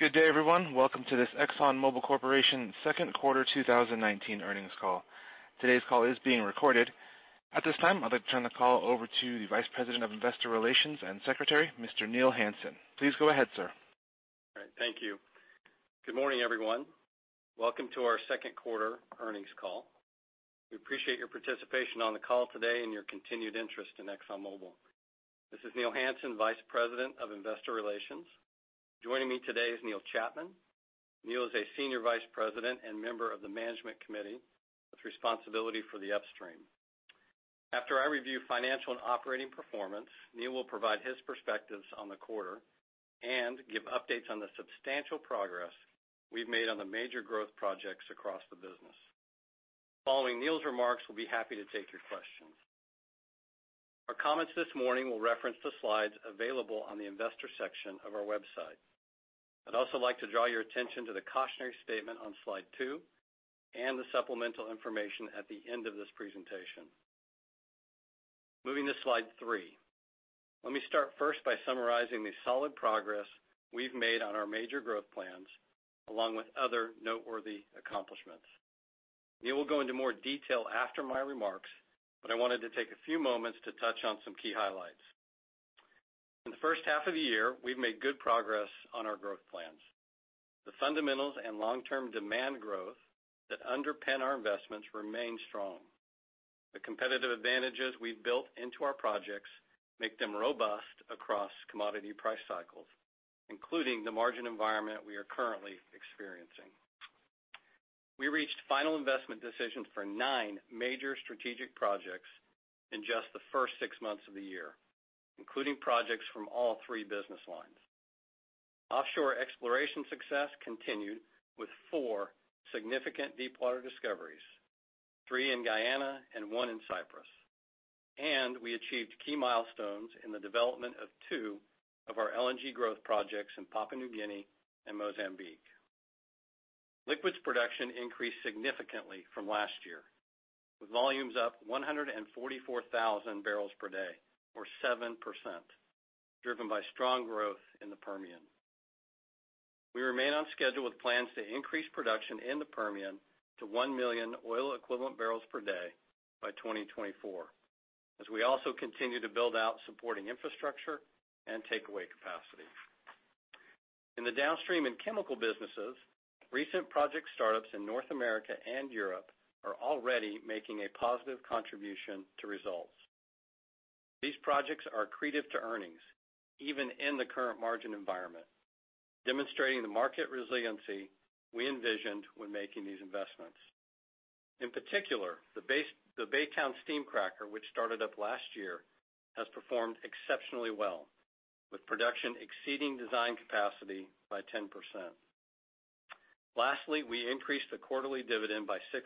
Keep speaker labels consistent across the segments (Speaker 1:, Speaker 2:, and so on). Speaker 1: Good day, everyone. Welcome to this ExxonMobil Corporation Second Quarter 2019 Earnings Call. Today's call is being recorded. At this time, I'd like to turn the call over to the Vice President of Investor Relations and Secretary, Mr. Neil Hansen. Please go ahead, Sir.
Speaker 2: All right. Thank you. Good morning, everyone. Welcome to our second quarter earnings call. We appreciate your participation on the call today and your continued interest in ExxonMobil. This is Neil Hansen, Vice President of Investor Relations. Joining me today is Neil Chapman. Neil is a Senior Vice President and Member of the Management Committee with responsibility for the upstream. After I review financial and operating performance, Neil will provide his perspectives on the quarter and give updates on the substantial progress we've made on the major growth projects across the business. Following Neil's remarks, we'll be happy to take your questions. Our comments this morning will reference the slides available on the investor section of our website. I'd also like to draw your attention to the cautionary statement on slide two and the supplemental information at the end of this presentation. Moving to slide three. Let me start first by summarizing the solid progress we've made on our major growth plans, along with other noteworthy accomplishments. Neil will go into more detail after my remarks. I wanted to take a few moments to touch on some key highlights. In the first half of the year, we've made good progress on our growth plans. The fundamentals and long-term demand growth that underpin our investments remain strong. The competitive advantages we've built into our projects make them robust across commodity price cycles, including the margin environment we are currently experiencing. We reached final investment decisions for nine major strategic projects in just the first six months of the year, including projects from all three business lines. Offshore exploration success continued with four significant deepwater discoveries, three in Guyana and one in Cyprus. We achieved key milestones in the development of two of our LNG growth projects in Papua New Guinea and Mozambique. Liquids production increased significantly from last year, with volumes up 144,000 barrels per day, or 7%, driven by strong growth in the Permian. We remain on schedule with plans to increase production in the Permian to one million oil equivalent barrels per day by 2024, as we also continue to build out supporting infrastructure and takeaway capacity. In the downstream and chemical businesses, recent project startups in North America and Europe are already making a positive contribution to results. These projects are accretive to earnings, even in the current margin environment, demonstrating the market resiliency we envisioned when making these investments. In particular, the Baytown Steam Cracker, which started up last year, has performed exceptionally well, with production exceeding design capacity by 10%. Lastly, we increased the quarterly dividend by 6%,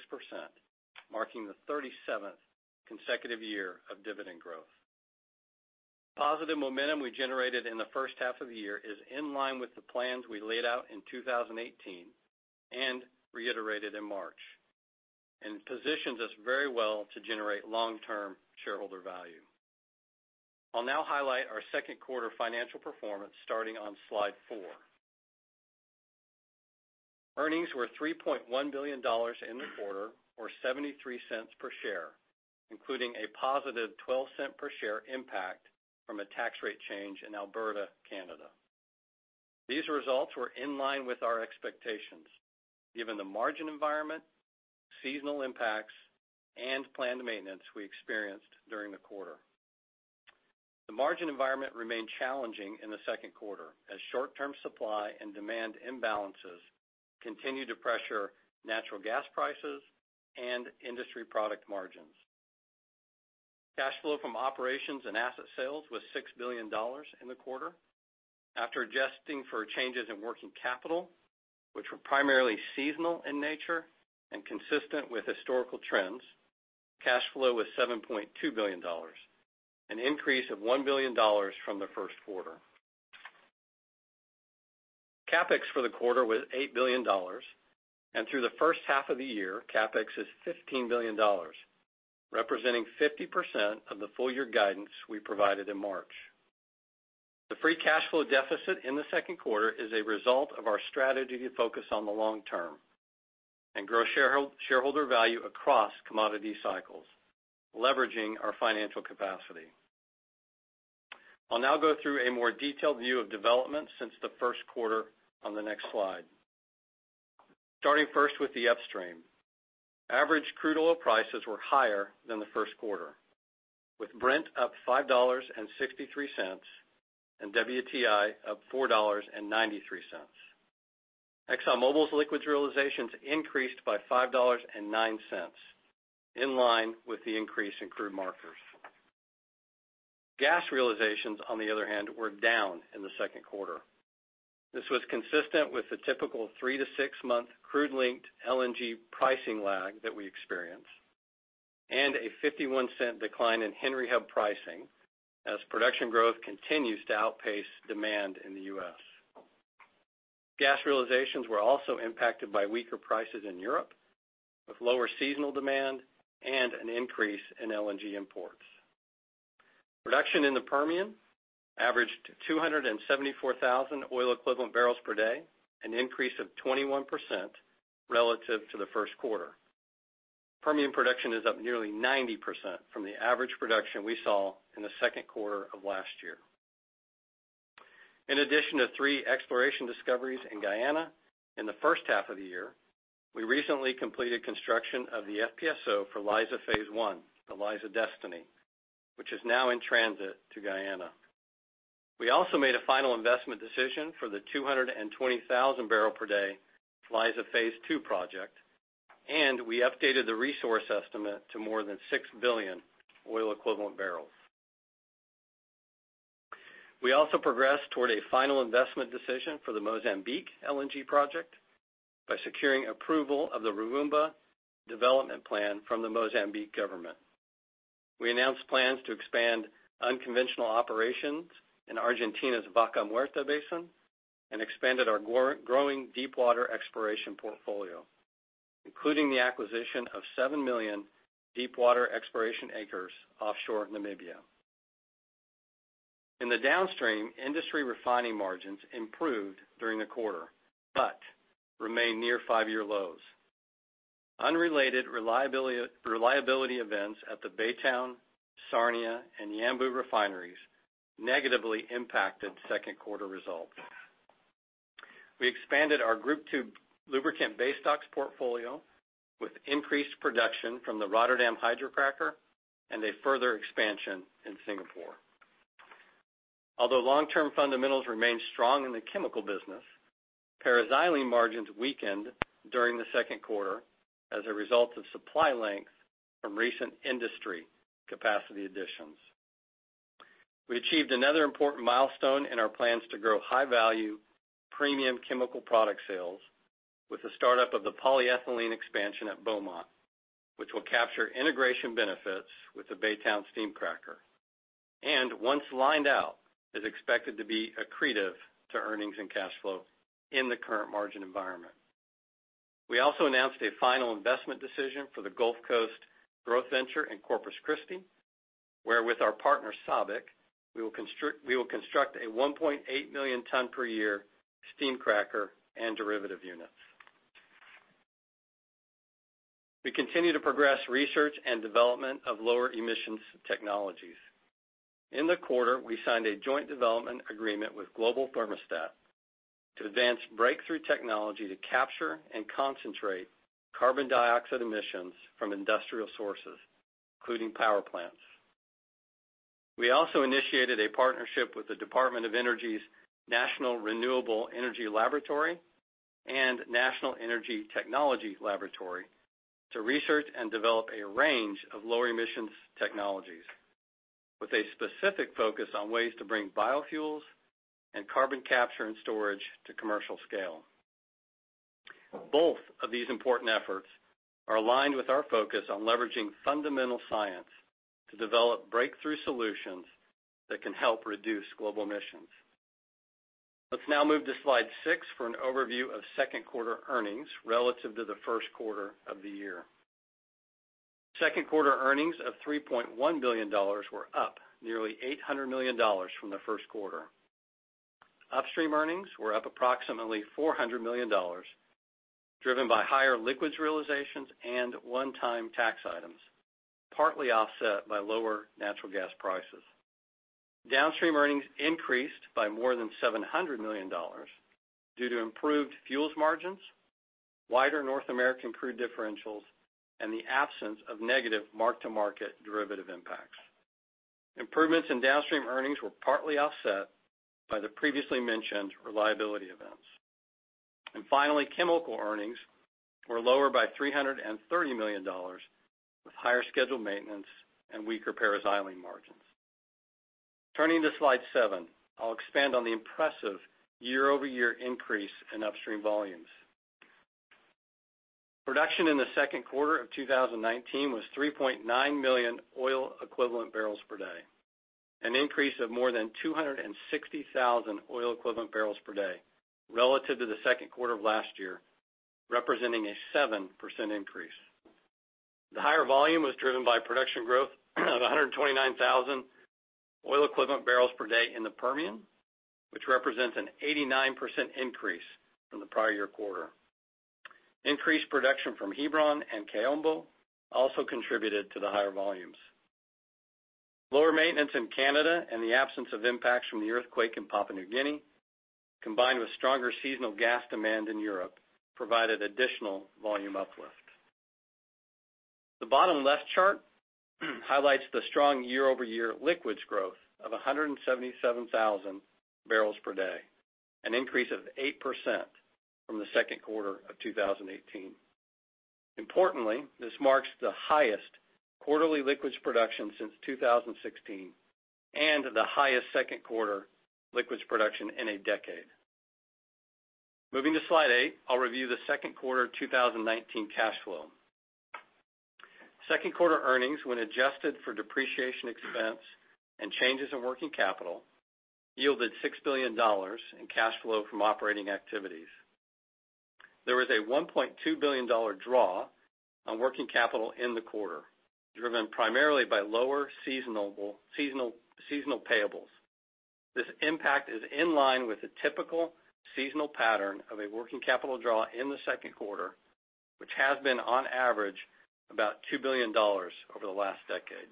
Speaker 2: marking the 37th consecutive year of dividend growth. Positive momentum we generated in the first half of the year is in line with the plans we laid out in 2018 and reiterated in March, and positions us very well to generate long-term shareholder value. I'll now highlight our second quarter financial performance starting on slide four. Earnings were $3.1 billion in the quarter or $0.73 per share, including a positive $0.12 per share impact from a tax rate change in Alberta, Canada. These results were in line with our expectations given the margin environment, seasonal impacts, and planned maintenance we experienced during the quarter. The margin environment remained challenging in the second quarter as short-term supply and demand imbalances continued to pressure natural gas prices and industry product margins. Cash flow from operations and asset sales was $6 billion in the quarter. After adjusting for changes in working capital, which were primarily seasonal in nature and consistent with historical trends, cash flow was $7.2 billion, an increase of $1 billion from the first quarter. Capex for the quarter was $8 billion, and through the first half of the year, Capex is $15 billion, representing 50% of the full-year guidance we provided in March. The free cash flow deficit in the second quarter is a result of our strategy to focus on the long term and grow shareholder value across commodity cycles, leveraging our financial capacity. I'll now go through a more detailed view of developments since the first quarter on the next slide. Starting first with the upstream. Average crude oil prices were higher than the first quarter, with Brent up $5.63 and WTI up $4.93. ExxonMobil's liquids realizations increased by $5.09, in line with the increase in crude markers. Gas realizations, on the other hand, were down in the second quarter. This was consistent with the typical three to six-month crude-linked LNG pricing lag that we experience, and a $0.51 decline in Henry Hub pricing as production growth continues to outpace demand in the U.S. Gas realizations were also impacted by weaker prices in Europe, with lower seasonal demand and an increase in LNG imports. Production in the Permian averaged 274,000 oil equivalent barrels per day, an increase of 21% relative to the first quarter. Permian production is up nearly 90% from the average production we saw in the second quarter of last year. In addition to three exploration discoveries in Guyana in the first half of the year, we recently completed construction of the FPSO for Liza phase I, the Liza Destiny, which is now in transit to Guyana. We also made a final investment decision for the 220,000 barrel per day Liza phase II project, and we updated the resource estimate to more than six billion oil equivalent barrels. We also progressed toward a final investment decision for the Mozambique LNG project by securing approval of the Rovuma development plan from the Mozambique government. We announced plans to expand unconventional operations in Argentina's Vaca Muerta Basin and expanded our growing deepwater exploration portfolio, including the acquisition of seven million deepwater exploration acres offshore Namibia. In the downstream, industry refining margins improved during the quarter but remain near five-year lows. Unrelated reliability events at the Baytown, Sarnia, and Yanbu refineries negatively impacted second quarter results. We expanded our Group II lubricant base stocks portfolio with increased production from the Rotterdam hydrocracker and a further expansion in Singapore. Although long-term fundamentals remain strong in the chemical business, paraxylene margins weakened during the second quarter as a result of supply length from recent industry capacity additions. We achieved another important milestone in our plans to grow high-value premium chemical product sales with the startup of the polyethylene expansion at Beaumont, which will capture integration benefits with the Baytown steam cracker, and once lined out, is expected to be accretive to earnings and cash flow in the current margin environment. We also announced a final investment decision for the Gulf Coast Growth Ventures in Corpus Christi, where with our partner, SABIC, we will construct a 1.8 million ton per year steam cracker and derivative units. We continue to progress research and development of lower emissions technologies. In the quarter, we signed a joint development agreement with Global Thermostat to advance breakthrough technology to capture and concentrate carbon dioxide emissions from industrial sources, including power plants. We also initiated a partnership with the Department of Energy's National Renewable Energy Laboratory and National Energy Technology Laboratory to research and develop a range of low emissions technologies, with a specific focus on ways to bring biofuels and carbon capture and storage to commercial scale. Both of these important efforts are aligned with our focus on leveraging fundamental science to develop breakthrough solutions that can help reduce global emissions. Let's now move to slide six for an overview of second quarter earnings relative to the first quarter of the year. Second quarter earnings of $3.1 billion were up nearly $800 million from the first quarter. Upstream earnings were up approximately $400 million, driven by higher liquids realizations and 1x tax items, partly offset by lower natural gas prices. Downstream earnings increased by more than $700 million due to improved fuels margins, wider North American crude differentials, and the absence of negative mark-to-market derivative impacts. Improvements in Downstream earnings were partly offset by the previously mentioned reliability events. Finally, Chemical earnings were lower by $330 million, with higher scheduled maintenance and weaker paraxylene margins. Turning to slide seven, I'll expand on the impressive year-over-year increase in Upstream volumes. Production in the second quarter of 2019 was 3.9 million oil equivalent barrels per day, an increase of more than 260,000 oil equivalent barrels per day relative to the second quarter of last year, representing a 7% increase. The higher volume was driven by production growth of 129,000 oil equivalent barrels per day in the Permian, which represents an 89% increase from the prior year quarter. Increased production from Hebron and Kaombo also contributed to the higher volumes. Lower maintenance in Canada and the absence of impacts from the earthquake in Papua New Guinea, combined with stronger seasonal gas demand in Europe, provided additional volume uplift. The bottom left chart highlights the strong year-over-year liquids growth of 177,000 barrels per day, an increase of 8% from the second quarter of 2018. Importantly, this marks the highest quarterly liquids production since 2016 and the highest second quarter liquids production in a decade. Moving to slide eight, I'll review the second quarter 2019 cash flow. Second quarter earnings, when adjusted for depreciation expense and changes in working capital, yielded $6 billion in cash flow from operating activities. There was a $1.2 billion draw on working capital in the quarter, driven primarily by lower seasonal payables. This impact is in line with the typical seasonal pattern of a working capital draw in the second quarter, which has been on average, about $2 billion over the last decade.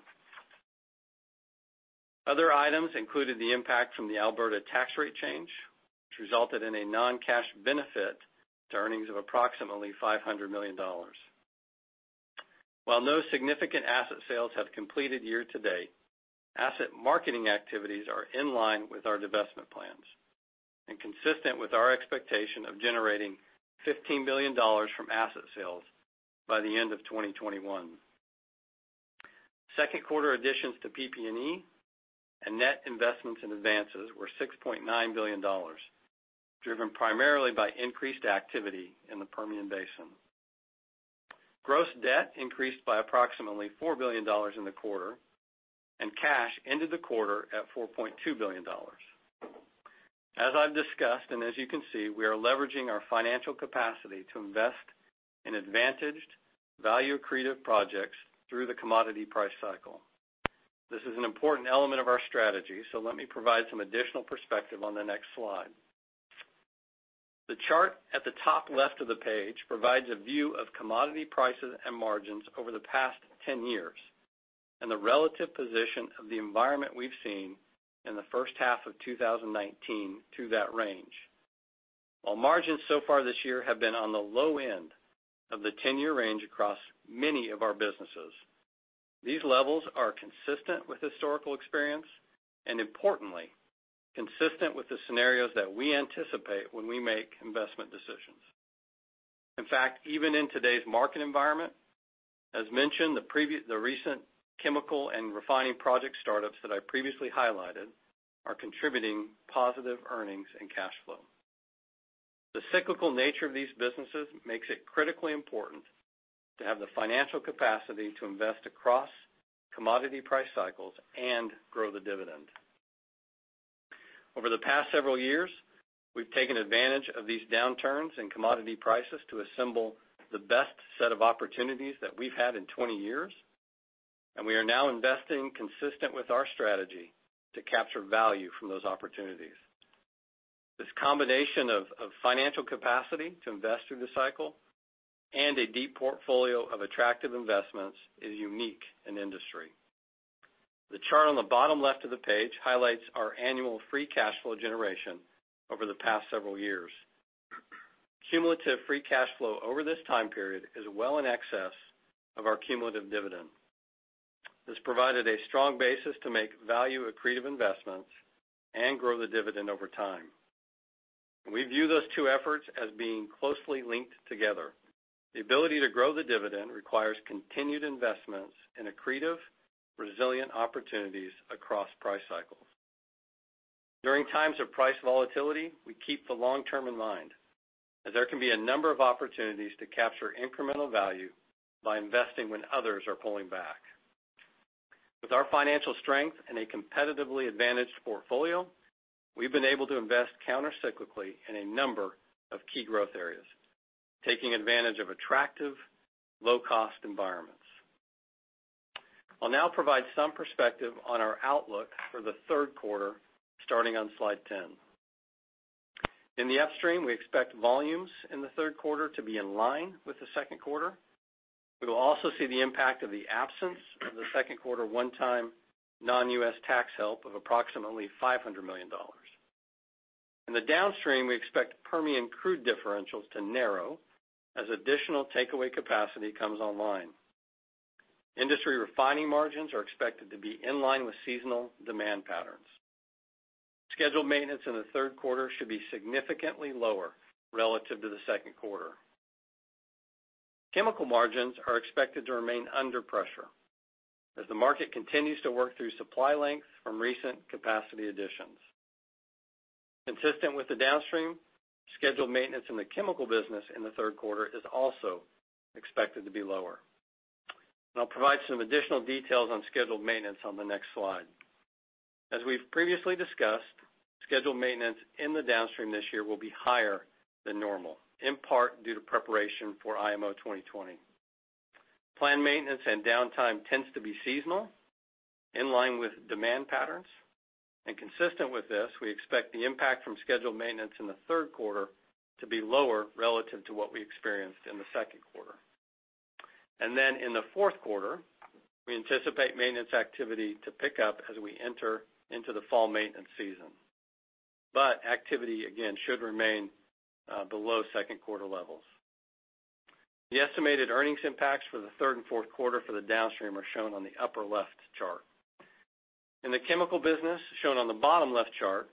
Speaker 2: Other items included the impact from the Alberta tax rate change, which resulted in a non-cash benefit to earnings of approximately $500 million. While no significant asset sales have completed year-to-date, asset marketing activities are in line with our divestment plans and consistent with our expectation of generating $15 billion from asset sales by the end of 2021. Second quarter additions to PP&E and net investments in advances were $6.9 billion, driven primarily by increased activity in the Permian Basin. Gross debt increased by approximately $4 billion in the quarter, and cash ended the quarter at $4.2 billion. As I've discussed, and as you can see, we are leveraging our financial capacity to invest in advantaged value-accretive projects through the commodity price cycle. This is an important element of our strategy, so let me provide some additional perspective on the next slide. The chart at the top left of the page provides a view of commodity prices and margins over the past 10 years and the relative position of the environment we've seen in the first half of 2019 through that range. While margins so far this year have been on the low end of the 10-year range across many of our businesses, these levels are consistent with historical experience and importantly, consistent with the scenarios that we anticipate when we make investment decisions. In fact, even in today's market environment, as mentioned, the recent chemical and refining project startups that I previously highlighted are contributing positive earnings and cash flow. The cyclical nature of these businesses makes it critically important to have the financial capacity to invest across commodity price cycles and grow the dividend. Over the past several years, we've taken advantage of these downturns in commodity prices to assemble the best set of opportunities that we've had in 20 years. We are now investing consistent with our strategy to capture value from those opportunities. This combination of financial capacity to invest through the cycle and a deep portfolio of attractive investments is unique in industry. The chart on the bottom left of the page highlights our annual free cash flow generation over the past several years. Cumulative free cash flow over this time period is well in excess of our cumulative dividend. This provided a strong basis to make value-accretive investments and grow the dividend over time. We view those two efforts as being closely linked together. The ability to grow the dividend requires continued investments in accretive, resilient opportunities across price cycles. During times of price volatility, we keep the long term in mind, as there can be a number of opportunities to capture incremental value by investing when others are pulling back. With our financial strength and a competitively advantaged portfolio, we've been able to invest counter-cyclically in a number of key growth areas, taking advantage of attractive low-cost environments. I'll now provide some perspective on our outlook for the third quarter starting on slide 10. In the upstream, we expect volumes in the third quarter to be in line with the second quarter. We will also see the impact of the absence of the second quarter 1x non-U.S. tax help of approximately $500 million. In the downstream, we expect Permian crude differentials to narrow as additional takeaway capacity comes online. Industry refining margins are expected to be in line with seasonal demand patterns. Scheduled maintenance in the third quarter should be significantly lower relative to the second quarter. Chemical margins are expected to remain under pressure as the market continues to work through supply lengths from recent capacity additions. Consistent with the downstream, scheduled maintenance in the chemical business in the third quarter is also expected to be lower. I'll provide some additional details on scheduled maintenance on the next slide. As we've previously discussed, scheduled maintenance in the downstream this year will be higher than normal, in part due to preparation for IMO 2020. Planned maintenance and downtime tends to be seasonal, in line with demand patterns. Consistent with this, we expect the impact from scheduled maintenance in the third quarter to be lower relative to what we experienced in the second quarter. Then in the fourth quarter, we anticipate maintenance activity to pick up as we enter into the fall maintenance season. Activity again should remain below second quarter levels. The estimated earnings impacts for the third and fourth quarter for the downstream are shown on the upper left chart. In the chemical business shown on the bottom left chart,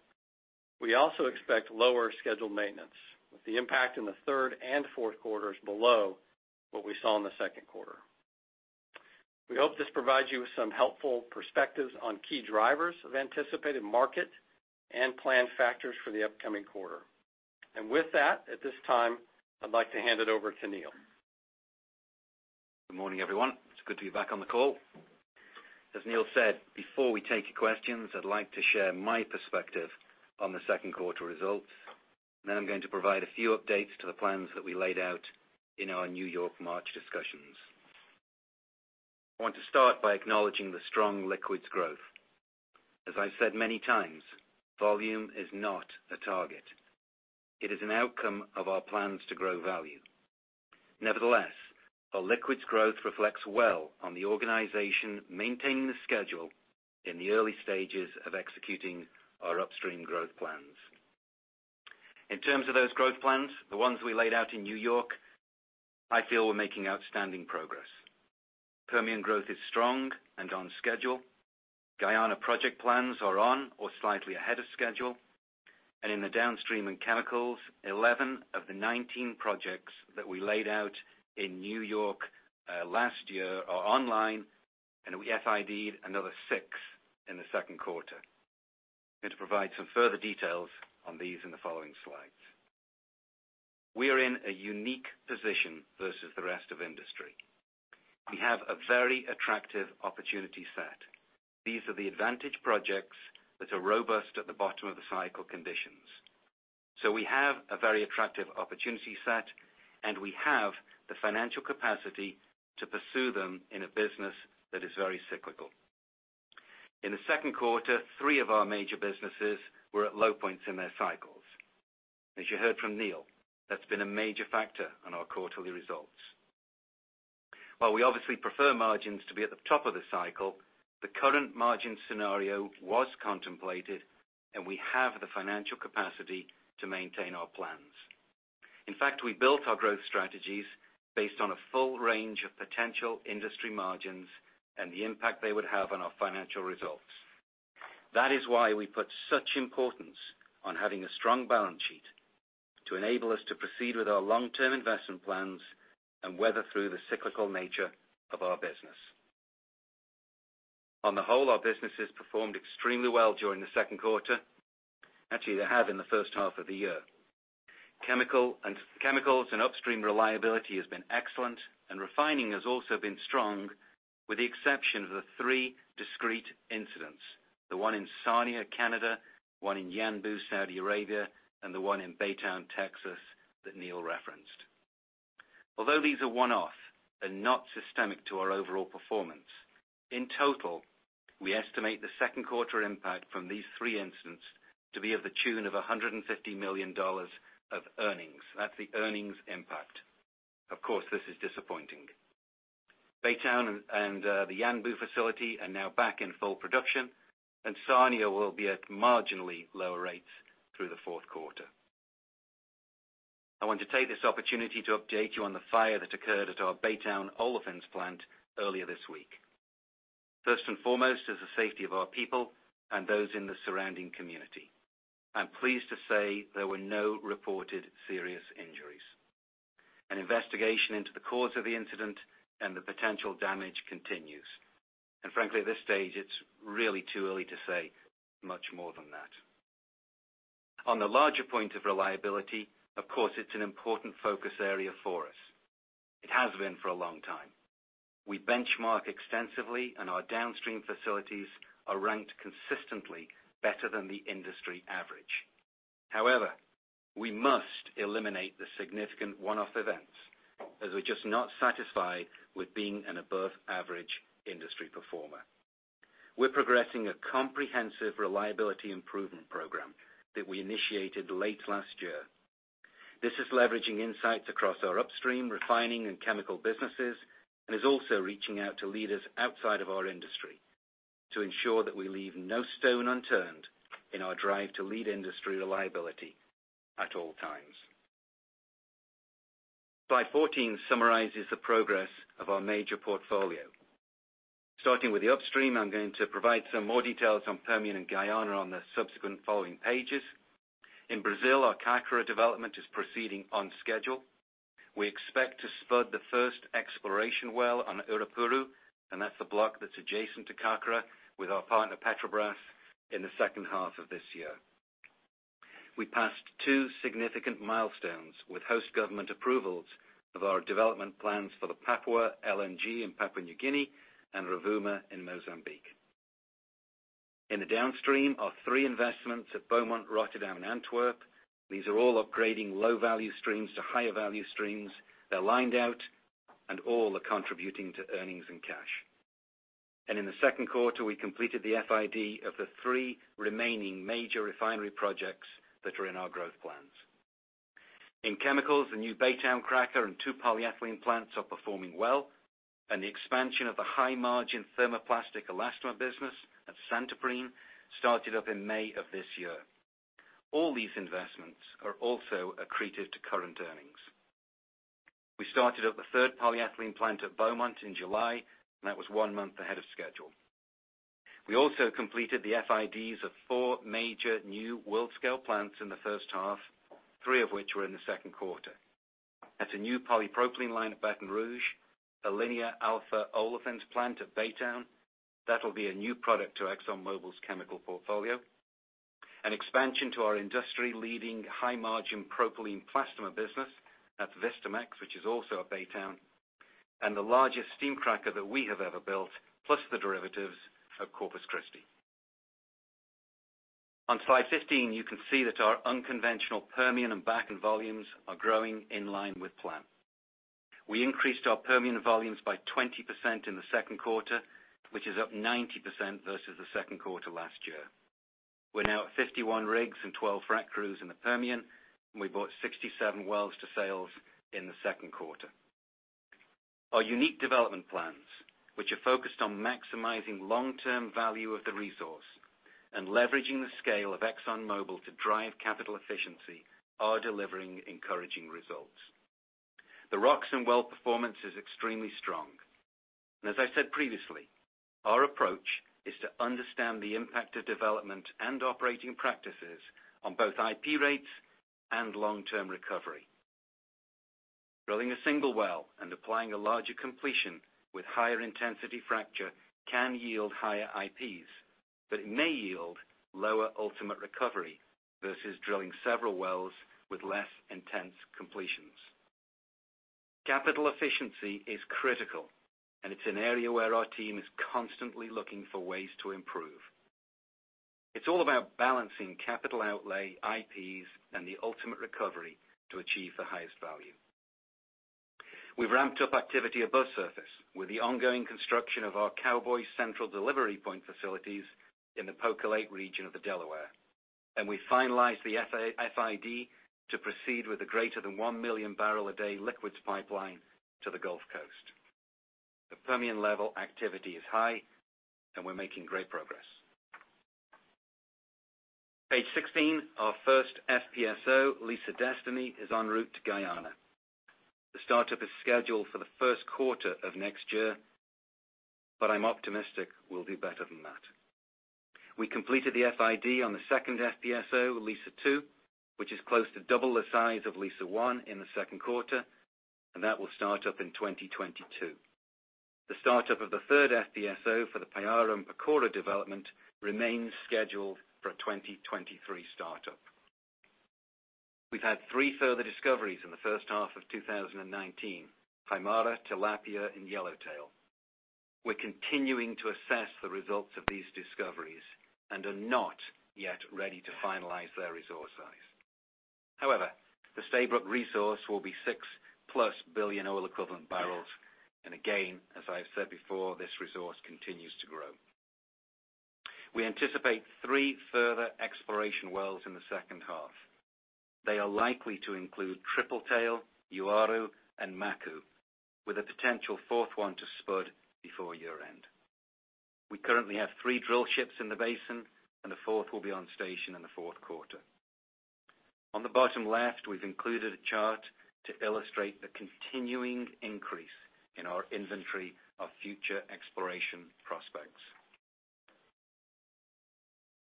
Speaker 2: we also expect lower scheduled maintenance with the impact in the third and fourth quarters below what we saw in the second quarter. We hope this provides you with some helpful perspectives on key drivers of anticipated market and planned factors for the upcoming quarter. With that, at this time, I'd like to hand it over to Neil
Speaker 3: Good morning, everyone. It's good to be back on the call. As Neil said, before we take your questions, I'd like to share my perspective on the second quarter results, then I'm going to provide a few updates to the plans that we laid out in our New York March discussions. I want to start by acknowledging the strong liquids growth. As I've said many times, volume is not a target. It is an outcome of our plans to grow value. Nevertheless, our liquids growth reflects well on the organization maintaining the schedule in the early stages of executing our upstream growth plans. In terms of those growth plans, the ones we laid out in New York, I feel we're making outstanding progress. Permian growth is strong and on schedule. Guyana project plans are on or slightly ahead of schedule. In the downstream in chemicals, 11 of the 19 projects that we laid out in New York last year are online, and we FIDed another six in the second quarter. I'm going to provide some further details on these in the following slides. We are in a unique position versus the rest of industry. We have a very attractive opportunity set. These are the advantage projects that are robust at the bottom of the cycle conditions. We have a very attractive opportunity set, and we have the financial capacity to pursue them in a business that is very cyclical. In the second quarter, three of our major businesses were at low points in their cycles. As you heard from Neil, that's been a major factor on our quarterly results. While we obviously prefer margins to be at the top of the cycle, the current margin scenario was contemplated, and we have the financial capacity to maintain our plans. In fact, we built our growth strategies based on a full range of potential industry margins and the impact they would have on our financial results. That is why we put such importance on having a strong balance sheet to enable us to proceed with our long-term investment plans and weather through the cyclical nature of our business. On the whole, our businesses performed extremely well during the second quarter. Actually, they have in the first half of the year. Chemicals and upstream reliability has been excellent, and refining has also been strong, with the exception of the three discrete incidents, the one in Sarnia, Canada, one in Yanbu, Saudi Arabia, and the one in Baytown, Texas that Neil referenced. These are one-off and not systemic to our overall performance, in total, we estimate the second quarter impact from these three incidents to be of the tune of $150 million of earnings. That's the earnings impact. Of course, this is disappointing. Baytown and the Yanbu facility are now back in full production, and Sarnia will be at marginally lower rates through the fourth quarter. I want to take this opportunity to update you on the fire that occurred at our Baytown Olefins plant earlier this week. First and foremost is the safety of our people and those in the surrounding community. I'm pleased to say there were no reported serious injuries. An investigation into the cause of the incident and the potential damage continues. Frankly, at this stage, it's really too early to say much more than that. On the larger point of reliability, of course, it's an important focus area for us. It has been for a long time. We benchmark extensively, and our downstream facilities are ranked consistently better than the industry average. However, we must eliminate the significant one-off events, as we're just not satisfied with being an above-average industry performer. We're progressing a comprehensive reliability improvement program that we initiated late last year. This is leveraging insights across our upstream refining and chemical businesses, and is also reaching out to leaders outside of our industry to ensure that we leave no stone unturned in our drive to lead industry reliability at all times. Slide 14 summarizes the progress of our major portfolio. Starting with the upstream, I'm going to provide some more details on Permian and Guyana on the subsequent following pages. In Brazil, our Carcará development is proceeding on schedule. We expect to spud the first exploration well on Uirapuru, and that's the block that's adjacent to Carcará with our partner, Petrobras, in the second half of this year. We passed two significant milestones with host government approvals of our development plans for the Papua LNG in Papua New Guinea and Rovuma in Mozambique. In the downstream are three investments at Beaumont, Rotterdam, and Antwerp. These are all upgrading low-value streams to higher value streams. They're lined out, all are contributing to earnings and cash. In the second quarter, we completed the FID of the three remaining major refinery projects that are in our growth plans. In chemicals, the new Baytown cracker and two polyethylene plants are performing well, and the expansion of the high-margin thermoplastic elastomer business at Santoprene started up in May of this year. All these investments are also accretive to current earnings. We started up the third polyethylene plant at Beaumont in July, that was one month ahead of schedule. We also completed the FIDs of four major new world scale plants in the first half, three of which were in the second quarter. That's a new polypropylene line at Baton Rouge, a linear alpha olefins plant at Baytown. That'll be a new product to ExxonMobil's chemical portfolio. An expansion to our industry-leading high margin propylene plastomer business at Vistamaxx, which is also at Baytown, and the largest steam cracker that we have ever built, plus the derivatives at Corpus Christi. On slide 15, you can see that our unconventional Permian and Bakken volumes are growing in line with plan. We increased our Permian volumes by 20% in the second quarter, which is up 90% versus the second quarter last year. We're now at 51 rigs and 12 frac crews in the Permian, and we brought 67 wells to sales in the second quarter. Our unique development plans, which are focused on maximizing long-term value of the resource and leveraging the scale of ExxonMobil to drive capital efficiency, are delivering encouraging results. The rocks and well performance is extremely strong. As I said previously, our approach is to understand the impact of development and operating practices on both IP rates and long-term recovery. Drilling a single well and applying a larger completion with higher intensity fracture can yield higher IPs, but it may yield lower ultimate recovery versus drilling several wells with less intense completions. Capital efficiency is critical, and it's an area where our team is constantly looking for ways to improve. It's all about balancing capital outlay, IPs, and the ultimate recovery to achieve the highest value. We've ramped up activity above surface with the ongoing construction of our Cowboy central delivery point facilities in the Poker Lake region of the Delaware, we finalized the FID to proceed with a greater than one million barrel a day liquids pipeline to the Gulf Coast. The Permian level activity is high, we're making great progress. Page 16, our first FPSO, Liza Destiny, is en route to Guyana. The startup is scheduled for the first quarter of next year, I'm optimistic we'll do better than that. We completed the FID on the second FPSO, Liza II, which is close to double the size of Liza I in the second quarter, that will start up in 2022. The startup of the third FPSO for the Payara and Pacora development remains scheduled for a 2023 startup. We've had three further discoveries in the first half of 2019, Haimara, Tilapia and Yellowtail. We're continuing to assess the results of these discoveries and are not yet ready to finalize their resource size. The Stabroek resource will be six-plus billion oil equivalent barrels, and again, as I have said before, this resource continues to grow. We anticipate three further exploration wells in the second half. They are likely to include Tripletail, Uaru, and Mako, with a potential fourth one to spud before year-end. We currently have three drill ships in the basin, and a fourth will be on station in the fourth quarter. On the bottom left, we've included a chart to illustrate the continuing increase in our inventory of future exploration prospects.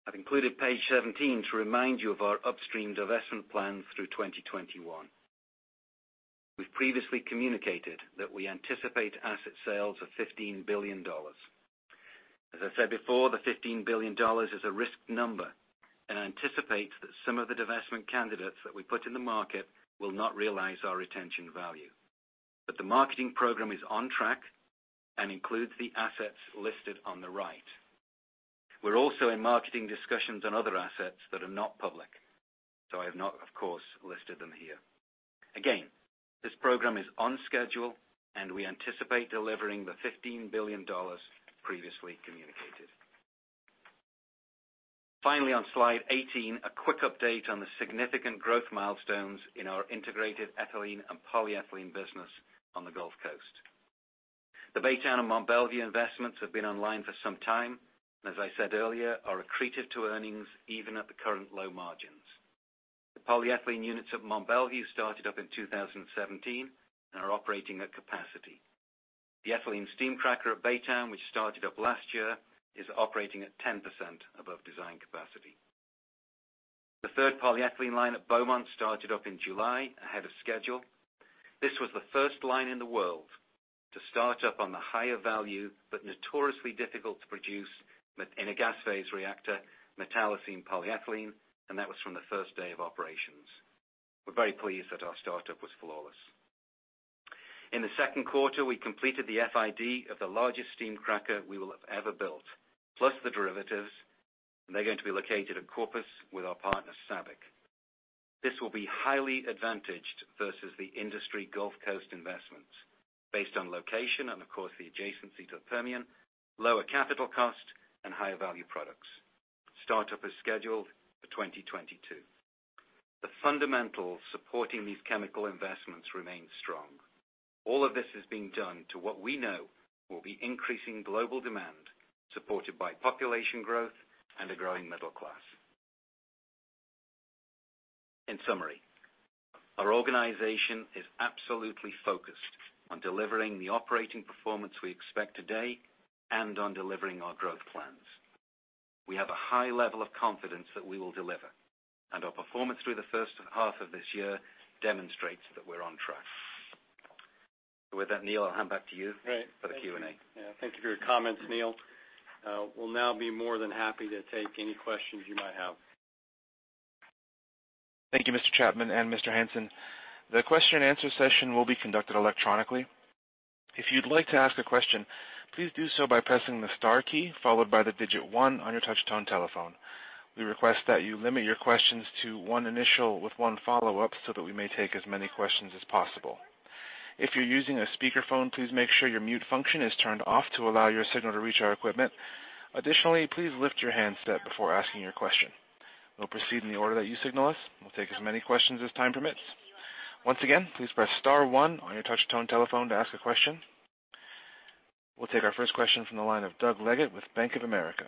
Speaker 3: I've included page 17 to remind you of our upstream divestment plans through 2021. We've previously communicated that we anticipate asset sales of $15 billion. As I said before, the $15 billion is a risked number and anticipates that some of the divestment candidates that we put in the market will not realize our retention value. The marketing program is on track and includes the assets listed on the right. We're also in marketing discussions on other assets that are not public, so I have not, of course, listed them here. Again, this program is on schedule and we anticipate delivering the $15 billion previously communicated. Finally, on slide 18, a quick update on the significant growth milestones in our integrated ethylene and polyethylene business on the Gulf Coast. The Baytown and Mont Belvieu investments have been online for some time, and as I said earlier, are accretive to earnings even at the current low margins. The polyethylene units at Mont Belvieu started up in 2017 and are operating at capacity. The ethylene steam cracker at Baytown, which started up last year, is operating at 10% above design capacity. The third polyethylene line at Beaumont started up in July, ahead of schedule. This was the first line in the world to start up on the higher value, but notoriously difficult to produce in a gas phase reactor, metallocene polyethylene, and that was from the first day of operations. We're very pleased that our startup was flawless. In the second quarter, we completed the FID of the largest steam cracker we will have ever built, plus the derivatives, and they're going to be located at Corpus with our partner, SABIC. This will be highly advantaged versus the industry Gulf Coast investments based on location and of course, the adjacency to the Permian, lower capital cost and higher value products. Startup is scheduled for 2022. The fundamentals supporting these chemical investments remain strong. All of this is being done to what we know will be increasing global demand, supported by population growth and a growing middle class. In summary, our organization is absolutely focused on delivering the operating performance we expect today and on delivering our growth plans. We have a high level of confidence that we will deliver, and our performance through the first half of this year demonstrates that we're on track. With that, Neil, I'll hand it back to you.
Speaker 2: Great
Speaker 3: for the Q&A.
Speaker 2: Yeah. Thank you for your comments, Neil. We'll now be more than happy to take any questions you might have.
Speaker 1: Thank you, Mr. Chapman and Mr. Hansen. The question and answer session will be conducted electronically. If you'd like to ask a question, please do so by pressing the star key followed by the digit one on your touch-tone telephone. We request that you limit your questions to one initial with one follow-up so that we may take as many questions as possible. If you're using a speakerphone, please make sure your mute function is turned off to allow your signal to reach our equipment. Additionally, please lift your handset before asking your question. We'll proceed in the order that you signal us. We'll take as many questions as time permits. Once again, please press star one on your touch-tone telephone to ask a question. We'll take our first question from the line of Doug Leggate with Bank of America.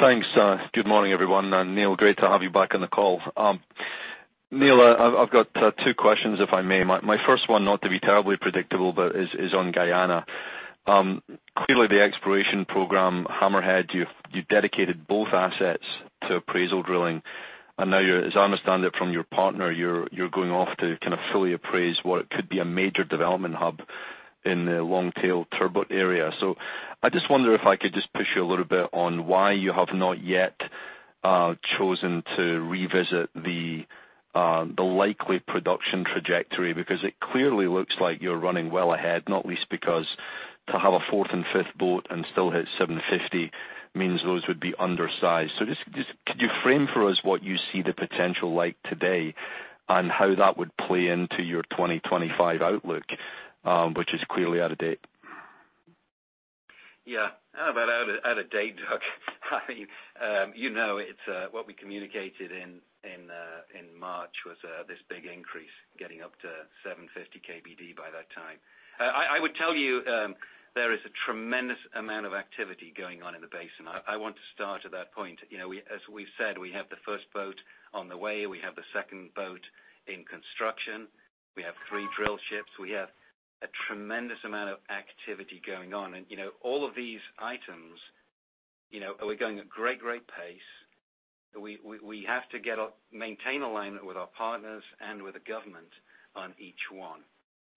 Speaker 4: Thanks. Good morning, everyone, Neil, great to have you back on the call. Neil, I've got two questions, if I may. My first one, not to be terribly predictable, but is on Guyana. Clearly the exploration program Haimara, you've dedicated both assets to appraisal drilling. Now, as I understand it from your partner, you're going off to fully appraise what could be a major development hub in the Longtail-Turbot area. I just wonder if I could just push you a little bit on why you have not yet chosen to revisit the likely production trajectory, because it clearly looks like you're running well ahead, not least because to have a fourth and fifth boat and still hit 750 means those would be undersized. Just could you frame for us what you see the potential like today and how that would play into your 2025 outlook, which is clearly out of date?
Speaker 3: Yeah. How about out of date, Doug? It's what we communicated in March was this big increase getting up to 750 kbd by that time. I would tell you, there is a tremendous amount of activity going on in the basin. I want to start at that point. As we've said, we have the first boat on the way. We have the second boat in construction. We have three drill ships. We have a tremendous amount of activity going on. All of these items are going at great pace. We have to maintain alignment with our partners and with the government on each one.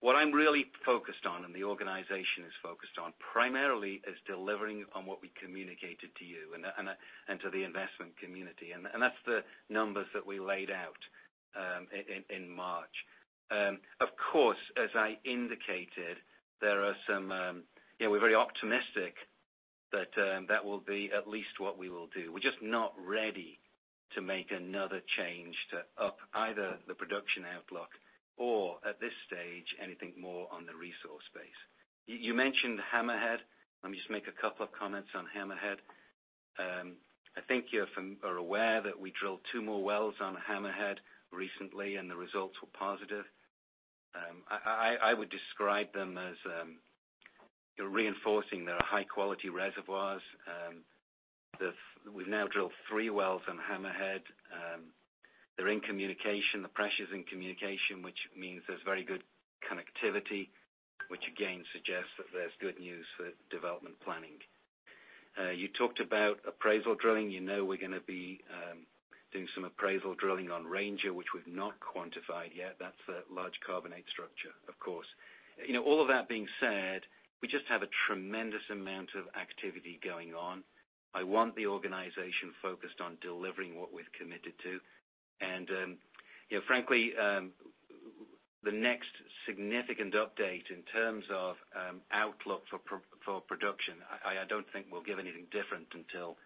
Speaker 3: What I'm really focused on, and the organization is focused on, primarily is delivering on what we communicated to you and to the investment community, and that's the numbers that we laid out in March. Of course, as I indicated, we're very optimistic that will be at least what we will do. We're just not ready to make another change to up either the production outlook or, at this stage, anything more on the resource base. You mentioned Haimara. Let me just make a couple of comments on Haimara. I think you are aware that we drilled two more wells on Haimara recently, and the results were positive. I would describe them as reinforcing their high-quality reservoirs. We've now drilled three wells on Haimara. They're in communication. The pressures in communication, which means there's very good connectivity, which again suggests that there's good news for development planning. You talked about appraisal drilling. You know we're going to be doing some appraisal drilling on Ranger, which we've not quantified yet. That's a large carbonate structure, of course. All of that being said, we just have a tremendous amount of activity going on. I want the organization focused on delivering what we've committed to, frankly, the next significant update in terms of outlook for production, I don't think we'll give anything different until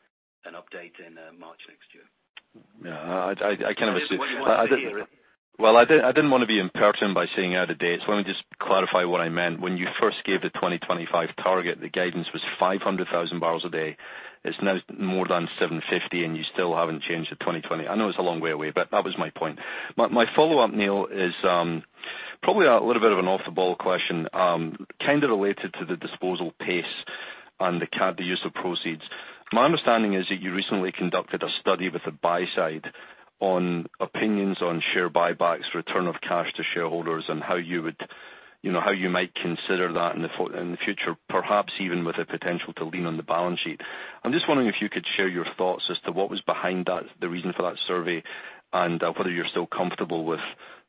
Speaker 3: an update in March next year.
Speaker 4: Yeah.
Speaker 3: I don't know what you want to hear.
Speaker 4: Well, I didn't want to be impertinent by saying out of date, so let me just clarify what I meant. When you first gave the 2025 target, the guidance was 500,000 barrels a day. It's now more than 750, and you still haven't changed the 2020. I know it's a long way away, but that was my point. My follow-up, Neil, is probably a little bit of an off-the-ball question, kind of related to the disposal pace and the use of proceeds. My understanding is that you recently conducted a study with the buy side on opinions on share buybacks, return of cash to shareholders, and how you might consider that in the future, perhaps even with a potential to lean on the balance sheet. I'm just wondering if you could share your thoughts as to what was behind that, the reason for that survey, and whether you're still comfortable with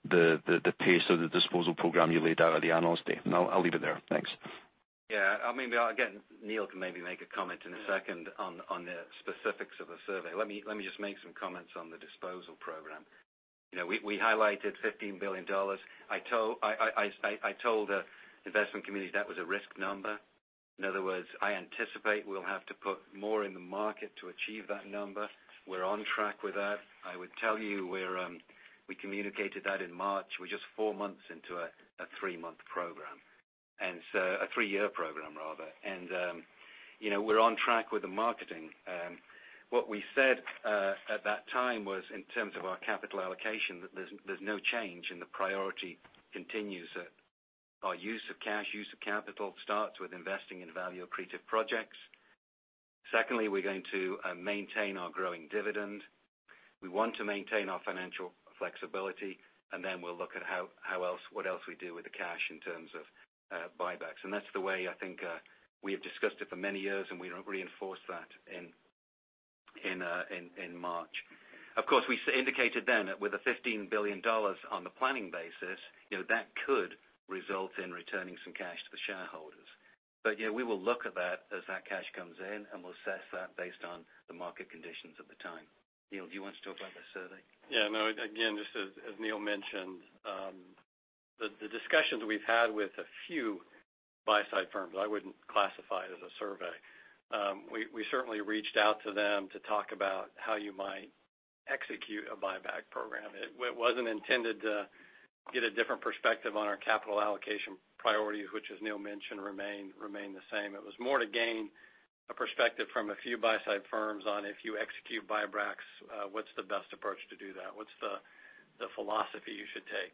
Speaker 4: the pace of the disposal program you laid out at the Analyst Day? I'll leave it there. Thanks.
Speaker 3: Yeah. Again, Neil can maybe make a comment in a second on the specifics of the survey. Let me just make some comments on the disposal program. We highlighted $15 billion. I told the investment community that was a risk number. In other words, I anticipate we'll have to put more in the market to achieve that number. We're on track with that. I would tell you we communicated that in March. We're just four months into a three-month program. A three-year program, rather. We're on track with the marketing. What we said at that time was, in terms of our capital allocation, that there's no change, and the priority continues that our use of cash, use of capital starts with investing in value-accretive projects. Secondly, we're going to maintain our growing dividend. We want to maintain our financial flexibility, then we'll look at what else we do with the cash in terms of buybacks. That's the way I think we have discussed it for many years, and we reinforced that in March. Of course, we indicated then that with a $15 billion on the planning basis, that could result in returning some cash to the shareholders. We will look at that as that cash comes in, and we'll assess that based on the market conditions at the time. Neil, do you want to talk about the survey?
Speaker 2: Yeah, no, again, just as Neil mentioned, the discussions we've had with a few buy-side firms, I wouldn't classify it as a survey. We certainly reached out to them to talk about how you might execute a buyback program. It wasn't intended to get a different perspective on our capital allocation priorities, which as Neil mentioned, remain the same. It was more to gain a perspective from a few buy-side firms on if you execute buybacks, what's the best approach to do that? What's the philosophy you should take?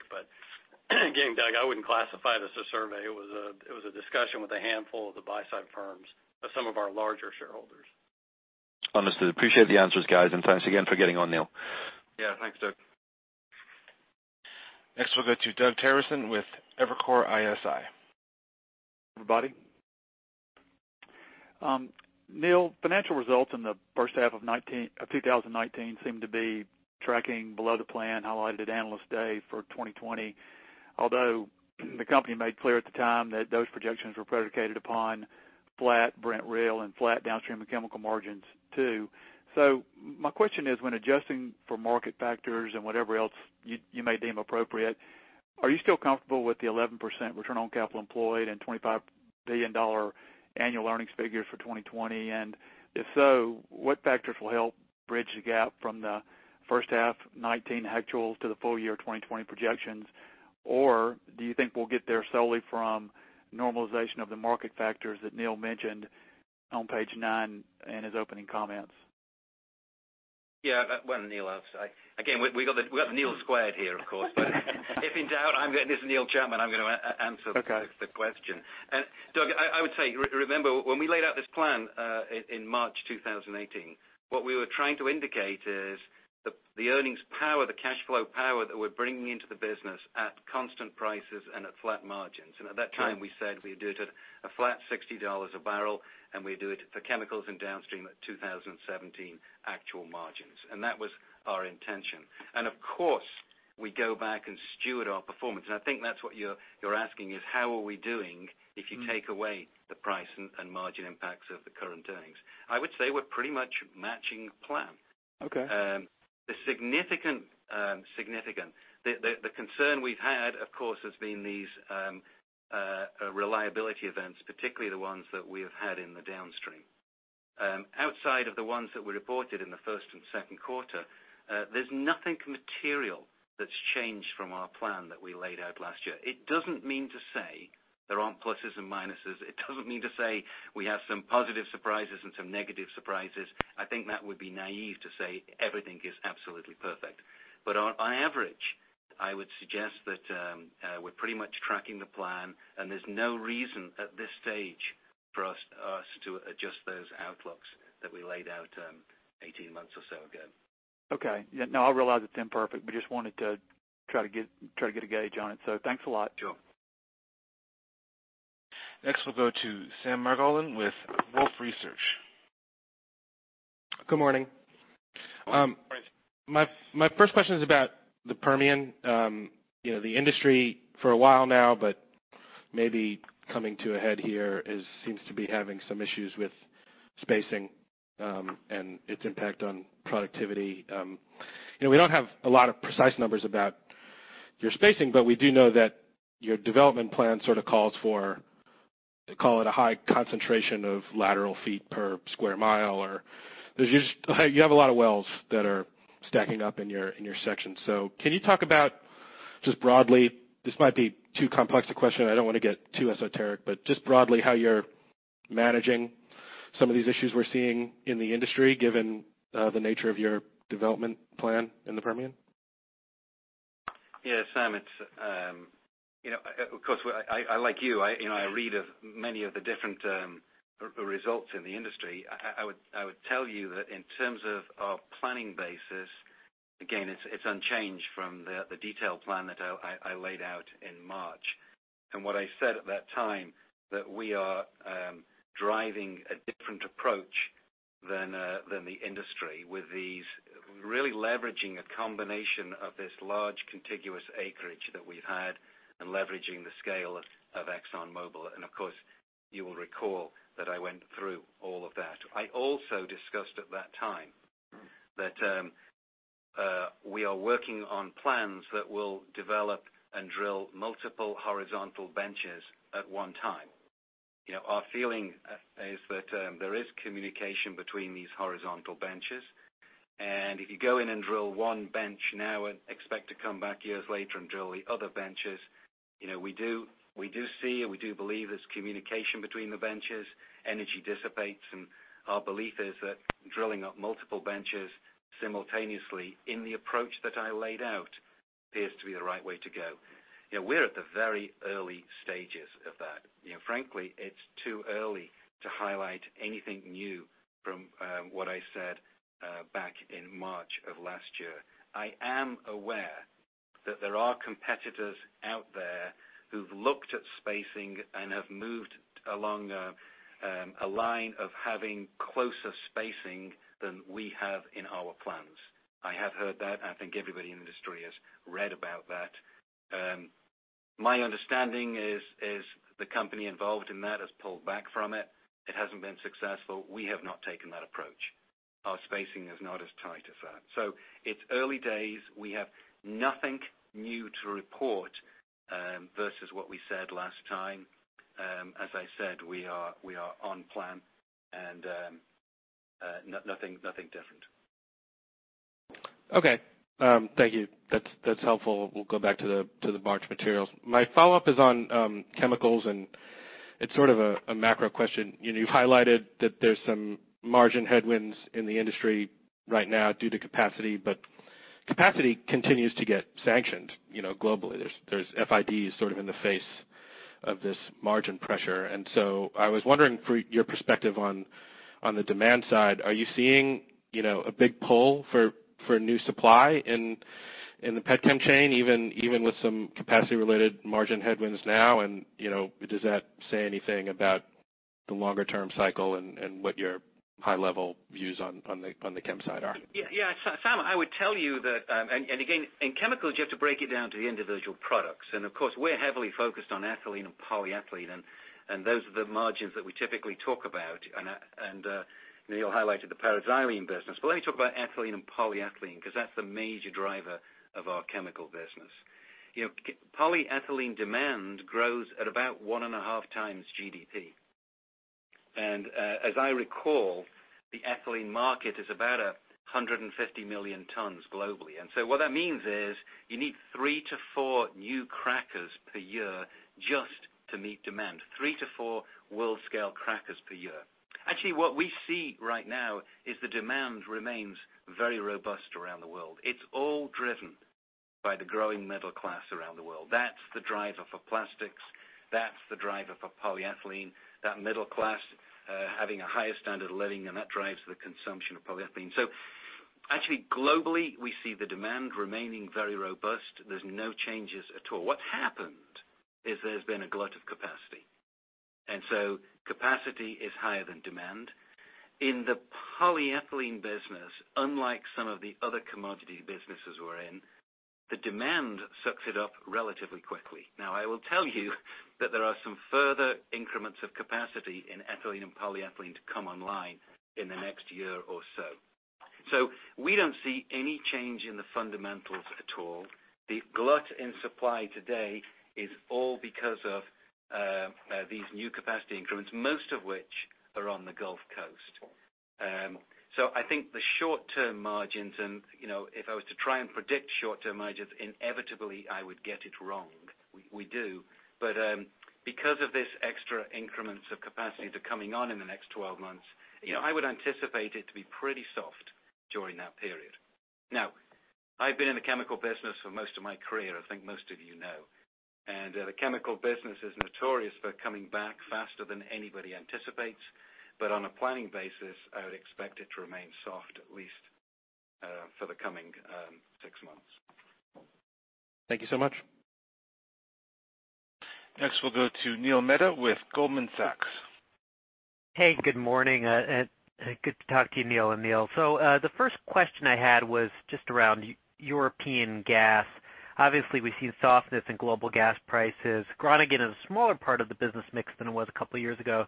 Speaker 2: Again, Doug, I wouldn't classify it as a survey. It was a discussion with a handful of the buy-side firms of some of our larger shareholders.
Speaker 4: Understood. Appreciate the answers, guys, and thanks again for getting on, Neil.
Speaker 2: Yeah, thanks, Doug.
Speaker 1: Next, we'll go to Doug Terreson with Evercore ISI.
Speaker 5: Everybody. Neil, financial results in the first half of 2019 seem to be tracking below the plan highlighted at Analyst Day for 2020, although the company made clear at the time that those projections were predicated upon flat Brent real and flat Downstream and Chemical margins, too. My question is, when adjusting for market factors and whatever else you may deem appropriate, are you still comfortable with the 11% return on capital employed and $25 billion annual earnings figures for 2020? If so, what factors will help bridge the gap from the first half 2019 actuals to the full year 2020 projections? Do you think we'll get there solely from normalization of the market factors that Neil mentioned on page nine in his opening comments?
Speaker 3: Yeah. One, Neil, I'll say. We got Neil squared here, of course. If in doubt, this is Neil Chapman, I'm going to answer.
Speaker 5: Okay
Speaker 3: the question. Doug, I would say, remember when we laid out this plan in March 2018, what we were trying to indicate is the earnings power, the cash flow power that we're bringing into the business at constant prices and at flat margins. At that time, we said we'd do it at a flat $60 a barrel, and we'd do it for chemicals and Downstream at 2017 actual margins. That was our intention. Of course, we go back and steward our performance. I think that's what you're asking is how are we doing if you take away the price and margin impacts of the current earnings. I would say we're pretty much matching plan.
Speaker 5: Okay.
Speaker 3: The significant, the concern we've had, of course, has been these reliability events, particularly the ones that we have had in the Downstream. Outside of the ones that were reported in the first and second quarter, there's nothing material that's changed from our plan that we laid out last year. It doesn't mean to say there aren't pluses and minuses. It doesn't mean to say we have some positive surprises and some negative surprises. I think that would be naive to say everything is absolutely perfect. On average, I would suggest that we're pretty much tracking the plan, and there's no reason at this stage for us to adjust those outlooks that we laid out 18 months or so ago.
Speaker 5: Okay. No, I realize it's imperfect, but just wanted to try to get a gauge on it. Thanks a lot.
Speaker 3: Sure.
Speaker 1: Next, we'll go to Sam Margolin with Wolfe Research.
Speaker 6: Good morning.
Speaker 3: Morning.
Speaker 6: My first question is about the Permian. The industry for a while now, but maybe coming to a head here, seems to be having some issues with spacing, and its impact on productivity. We don't have a lot of precise numbers about your spacing, but we do know that your development plan sort of calls for, call it a high concentration of lateral feet per square mile, or you have a lot of wells that are stacking up in your section. Can you talk about just broadly, this might be too complex a question. I don't want to get too esoteric, but just broadly how you're managing some of these issues we're seeing in the industry, given the nature of your development plan in the Permian?
Speaker 3: Yeah, Sam, of course, I like you, I read of many of the different results in the industry. I would tell you that in terms of our planning basis, again, it's unchanged from the detailed plan that I laid out in March. What I said at that time, that we are driving a different approach than the industry with these really leveraging a combination of this large contiguous acreage that we've had and leveraging the scale of ExxonMobil. Of course, you will recall that I went through all of that. I also discussed at that time that we are working on plans that will develop and drill multiple horizontal benches at one time. Our feeling is that there is communication between these horizontal benches. If you go in and drill one bench now and expect to come back years later and drill the other benches, we do see and we do believe there's communication between the benches. Energy dissipates, and our belief is that drilling up multiple benches simultaneously in the approach that I laid out appears to be the right way to go. We're at the very early stages of that. Frankly, it's too early to highlight anything new from what I said back in March of last year. I am aware that there are competitors out there who've looked at spacing and have moved along a line of having closer spacing than we have in our plans. I have heard that. I think everybody in the industry has read about that. My understanding is the company involved in that has pulled back from it. It hasn't been successful. We have not taken that approach. Our spacing is not as tight as that. It's early days. We have nothing new to report versus what we said last time. As I said, we are on plan and nothing different.
Speaker 6: Okay. Thank you. That's helpful. We'll go back to the March materials. My follow-up is on chemicals, and it's sort of a macro question. You've highlighted that there's some margin headwinds in the industry right now due to capacity, but capacity continues to get sanctioned globally. There's FIDs sort of in the face of this margin pressure. I was wondering for your perspective on the demand side, are you seeing a big pull for new supply in the pet chem chain, even with some capacity-related margin headwinds now? Does that say anything about the longer-term cycle and what your high-level views on the chem side are?
Speaker 2: Yeah. Sam, I would tell you that. Again, in chemicals, you have to break it down to the individual products. Of course, we're heavily focused on ethylene and polyethylene, and those are the margins that we typically talk about. Neil highlighted the paraxylene business. Let me talk about ethylene and polyethylene, because that's a major driver of our chemical business. Polyethylene demand grows at about 1.5x GDP. As I recall, the ethylene market is about 150 million tons globally. What that means is you need three to four new crackers per year just to meet demand. Three to four world-scale crackers per year. Actually, what we see right now is the demand remains very robust around the world. It's all driven by the growing middle class around the world. That's the driver for plastics. That's the driver for polyethylene. That middle class having a higher standard of living, and that drives the consumption of polyethylene. Actually globally, we see the demand remaining very robust. There's no changes at all. What's happened is there's been a glut of capacity. Capacity is higher than demand. In the polyethylene business, unlike some of the other commodity businesses we're in, the demand sucks it up relatively quickly. Now, I will tell you that there are some further increments of capacity in ethylene and polyethylene to come online in the next year or so. We don't see any change in the fundamentals at all. The glut in supply today is all because of these new capacity increments, most of which are on the Gulf Coast. I think the short-term margins, and if I was to try and predict short-term margins, inevitably I would get it wrong. We do. Because of this extra increments of capacity that are coming on in the next 12 months, I would anticipate it to be pretty soft during that period. Now, I've been in the chemical business for most of my career, I think most of you know. The chemical business is notorious for coming back faster than anybody anticipates. On a planning basis, I would expect it to remain soft, at least for the coming six months.
Speaker 6: Thank you so much.
Speaker 1: Next, we'll go to Neil Mehta with Goldman Sachs.
Speaker 7: Hey, good morning. Good to talk to you, Neil and Neil. The first question I had was just around European gas. Obviously, we've seen softness in global gas prices. Groningen is a smaller part of the business mix than it was a couple of years ago.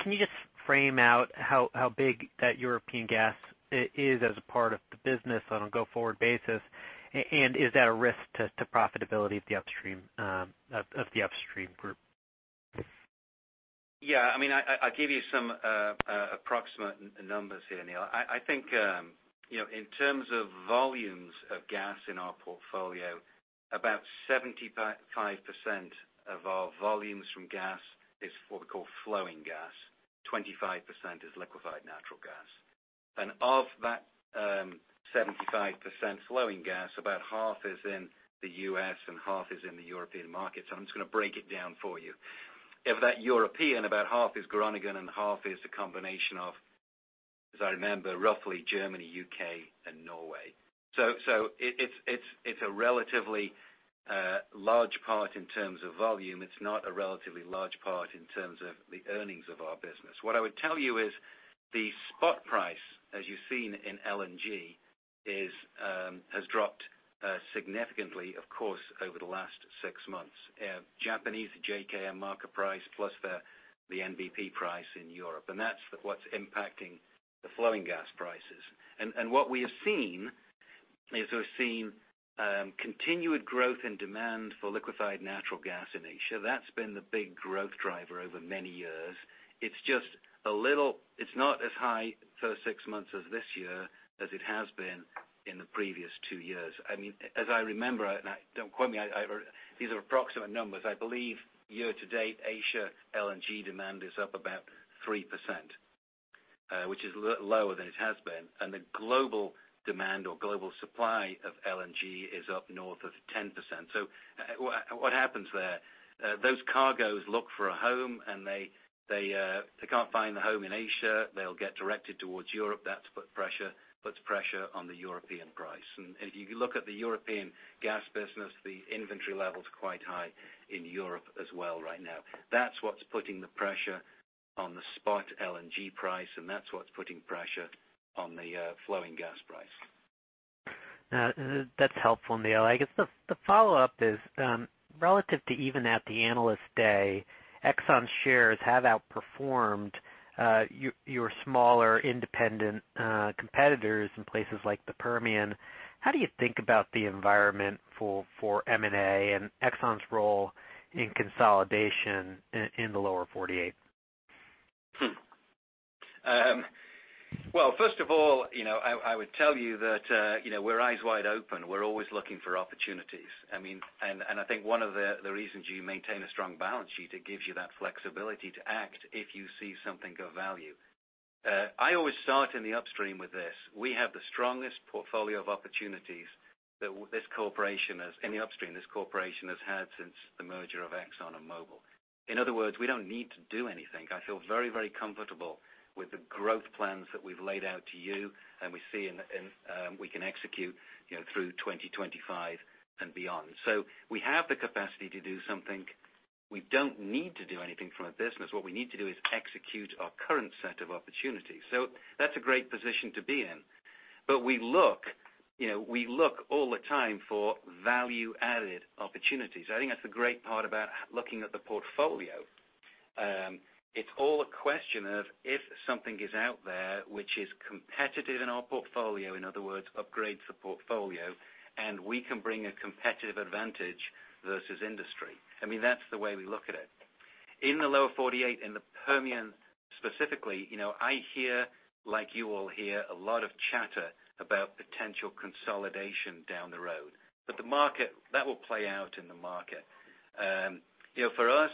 Speaker 7: Can you just frame out how big that European gas is as a part of the business on a go-forward basis? Is that a risk to profitability of the upstream group?
Speaker 3: I'll give you some approximate numbers here, Neil. I think in terms of volumes of gas in our portfolio, about 75% of our volumes from gas is what we call flowing gas. 25% is liquefied natural gas. Of that 75% flowing gas, about 1/2 is in the U.S. and 1/2 is in the European market. I'm just going to break it down for you. Of that European, about half is Groningen and 1/2 is a combination of, as I remember, roughly Germany, U.K., and Norway. It's a relatively large part in terms of volume. It's not a relatively large part in terms of the earnings of our business. What I would tell you is the spot price, as you've seen in LNG, has dropped significantly, of course, over the last six months. Japanese JKM market price plus the NBP price in Europe. That's what's impacting the flowing gas prices. What we have seen is we've seen continued growth in demand for liquefied natural gas in Asia. That's been the big growth driver over many years. It's not as high first six months of this year as it has been in the previous two years. As I remember, and don't quote me, these are approximate numbers. I believe year to date, Asia LNG demand is up about 3%. Which is lower than it has been. The global demand or global supply of LNG is up north of 10%. What happens there? Those cargoes look for a home and they can't find the home in Asia. They'll get directed towards Europe. That puts pressure on the European price. If you look at the European gas business, the inventory level's quite high in Europe as well right now. That's what's putting the pressure on the spot LNG price, and that's what's putting pressure on the flowing gas price.
Speaker 7: That's helpful, Neil. I guess the follow-up is, relative to even at the Analyst Day, Exxon shares have outperformed your smaller independent competitors in places like the Permian. How do you think about the environment for M&A and Exxon's role in consolidation in the Lower 48?
Speaker 3: Well, first of all, I would tell you that we're eyes wide open. We're always looking for opportunities. I think one of the reasons you maintain a strong balance sheet, it gives you that flexibility to act if you see something of value. I always start in the upstream with this. We have the strongest portfolio of opportunities that this corporation has, in the upstream, this corporation has had since the merger of Exxon and Mobil. In other words, we don't need to do anything. I feel very comfortable with the growth plans that we've laid out to you, and we see, and we can execute through 2025 and beyond. We have the capacity to do something. We don't need to do anything from a business. What we need to do is execute our current set of opportunities. That's a great position to be in. We look all the time for value-added opportunities. I think that's the great part about looking at the portfolio. It's all a question of if something is out there which is competitive in our portfolio, in other words, upgrades the portfolio, and we can bring a competitive advantage versus industry. That's the way we look at it. In the Lower 48, in the Permian specifically, I hear, like you all hear, a lot of chatter about potential consolidation down the road. That will play out in the market. For us,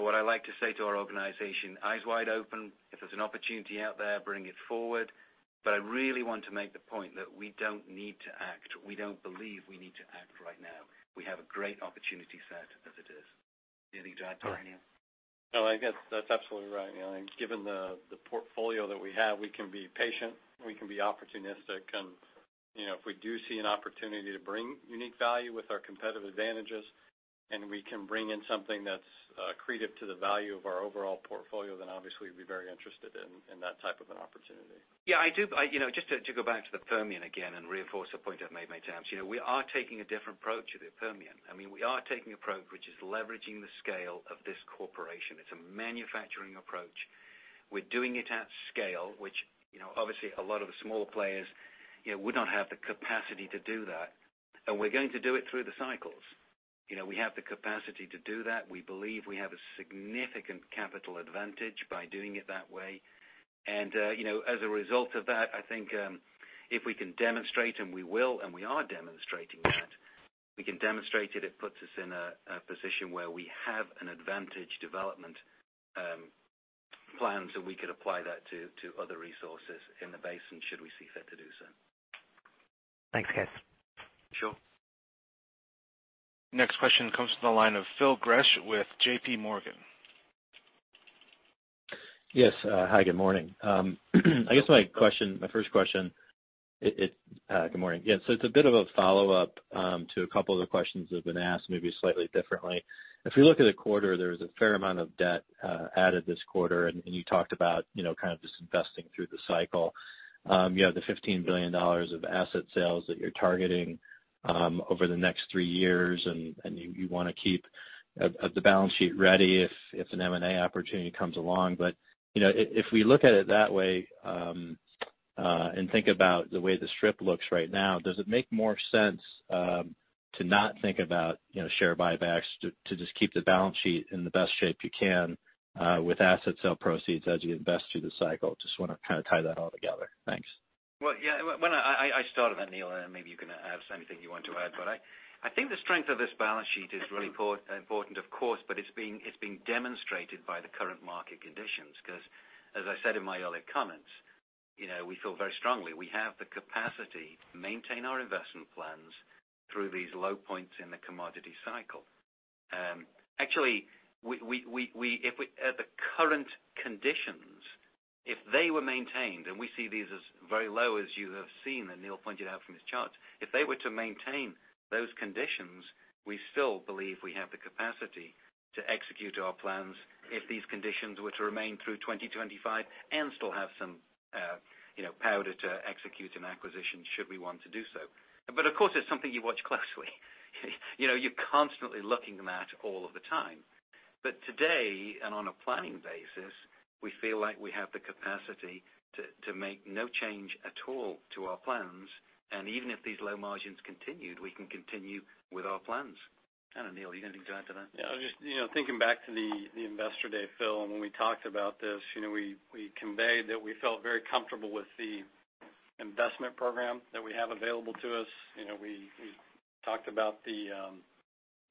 Speaker 3: what I like to say to our organization, eyes wide open. If there's an opportunity out there, bring it forward. I really want to make the point that we don't need to act. We don't believe we need to act right now. We have a great opportunity set as it is. Anything to add, Neil?
Speaker 2: No, I guess that's absolutely right. Given the portfolio that we have, we can be patient, we can be opportunistic, and if we do see an opportunity to bring unique value with our competitive advantages, and we can bring in something that's accretive to the value of our overall portfolio, then obviously we'd be very interested in that type of an opportunity.
Speaker 3: Yeah. Just to go back to the Permian again and reinforce a point I've made many times. We are taking a different approach with the Permian. We are taking approach which is leveraging the scale of this corporation. It's a manufacturing approach. We're doing it at scale, which obviously a lot of the smaller players would not have the capacity to do that. We're going to do it through the cycles. We have the capacity to do that. We believe we have a significant capital advantage by doing it that way. As a result of that, I think if we can demonstrate, and we will, and we are demonstrating that. If we can demonstrate it puts us in a position where we have an advantage development plan, so we could apply that to other resources in the basin should we see fit to do so.
Speaker 7: Thanks, guys.
Speaker 3: Sure.
Speaker 1: Next question comes from the line of Phil Gresh with JPMorgan.
Speaker 8: Yes. Hi, good morning. Good morning. Yeah, it's a bit of a follow-up to a couple of the questions that have been asked, maybe slightly differently. If we look at the quarter, there was a fair amount of debt added this quarter, and you talked about just investing through the cycle. You have the $15 billion of asset sales that you're targeting over the next three years, and you want to keep the balance sheet ready if an M&A opportunity comes along. If we look at it that way, and think about the way the strip looks right now, does it make more sense to not think about share buybacks, to just keep the balance sheet in the best shape you can with asset sale proceeds as you invest through the cycle? I just want to tie that all together. Thanks.
Speaker 3: Well, yeah. I start with that, Neil, and maybe you can add anything you want to add. I think the strength of this balance sheet is really important, of course, but it's being demonstrated by the current market conditions. As I said in my earlier comments, we feel very strongly we have the capacity to maintain our investment plans through these low points in the commodity cycle. Actually, at the current conditions, if they were maintained, and we see these as very low as you have seen, and Neil pointed out from his charts. If they were to maintain those conditions, we still believe we have the capacity to execute our plans if these conditions were to remain through 2025 and still have some powder to execute an acquisition should we want to do so. Of course, it's something you watch closely. You're constantly looking at all of the time. Today, and on a planning basis, we feel like we have the capacity to make no change at all to our plans. Even if these low margins continued, we can continue with our plans. I don't know, Neil, you got anything to add to that?
Speaker 2: Just thinking back to the investor day, Phil, and when we talked about this. We conveyed that we felt very comfortable with the investment program that we have available to us. We talked about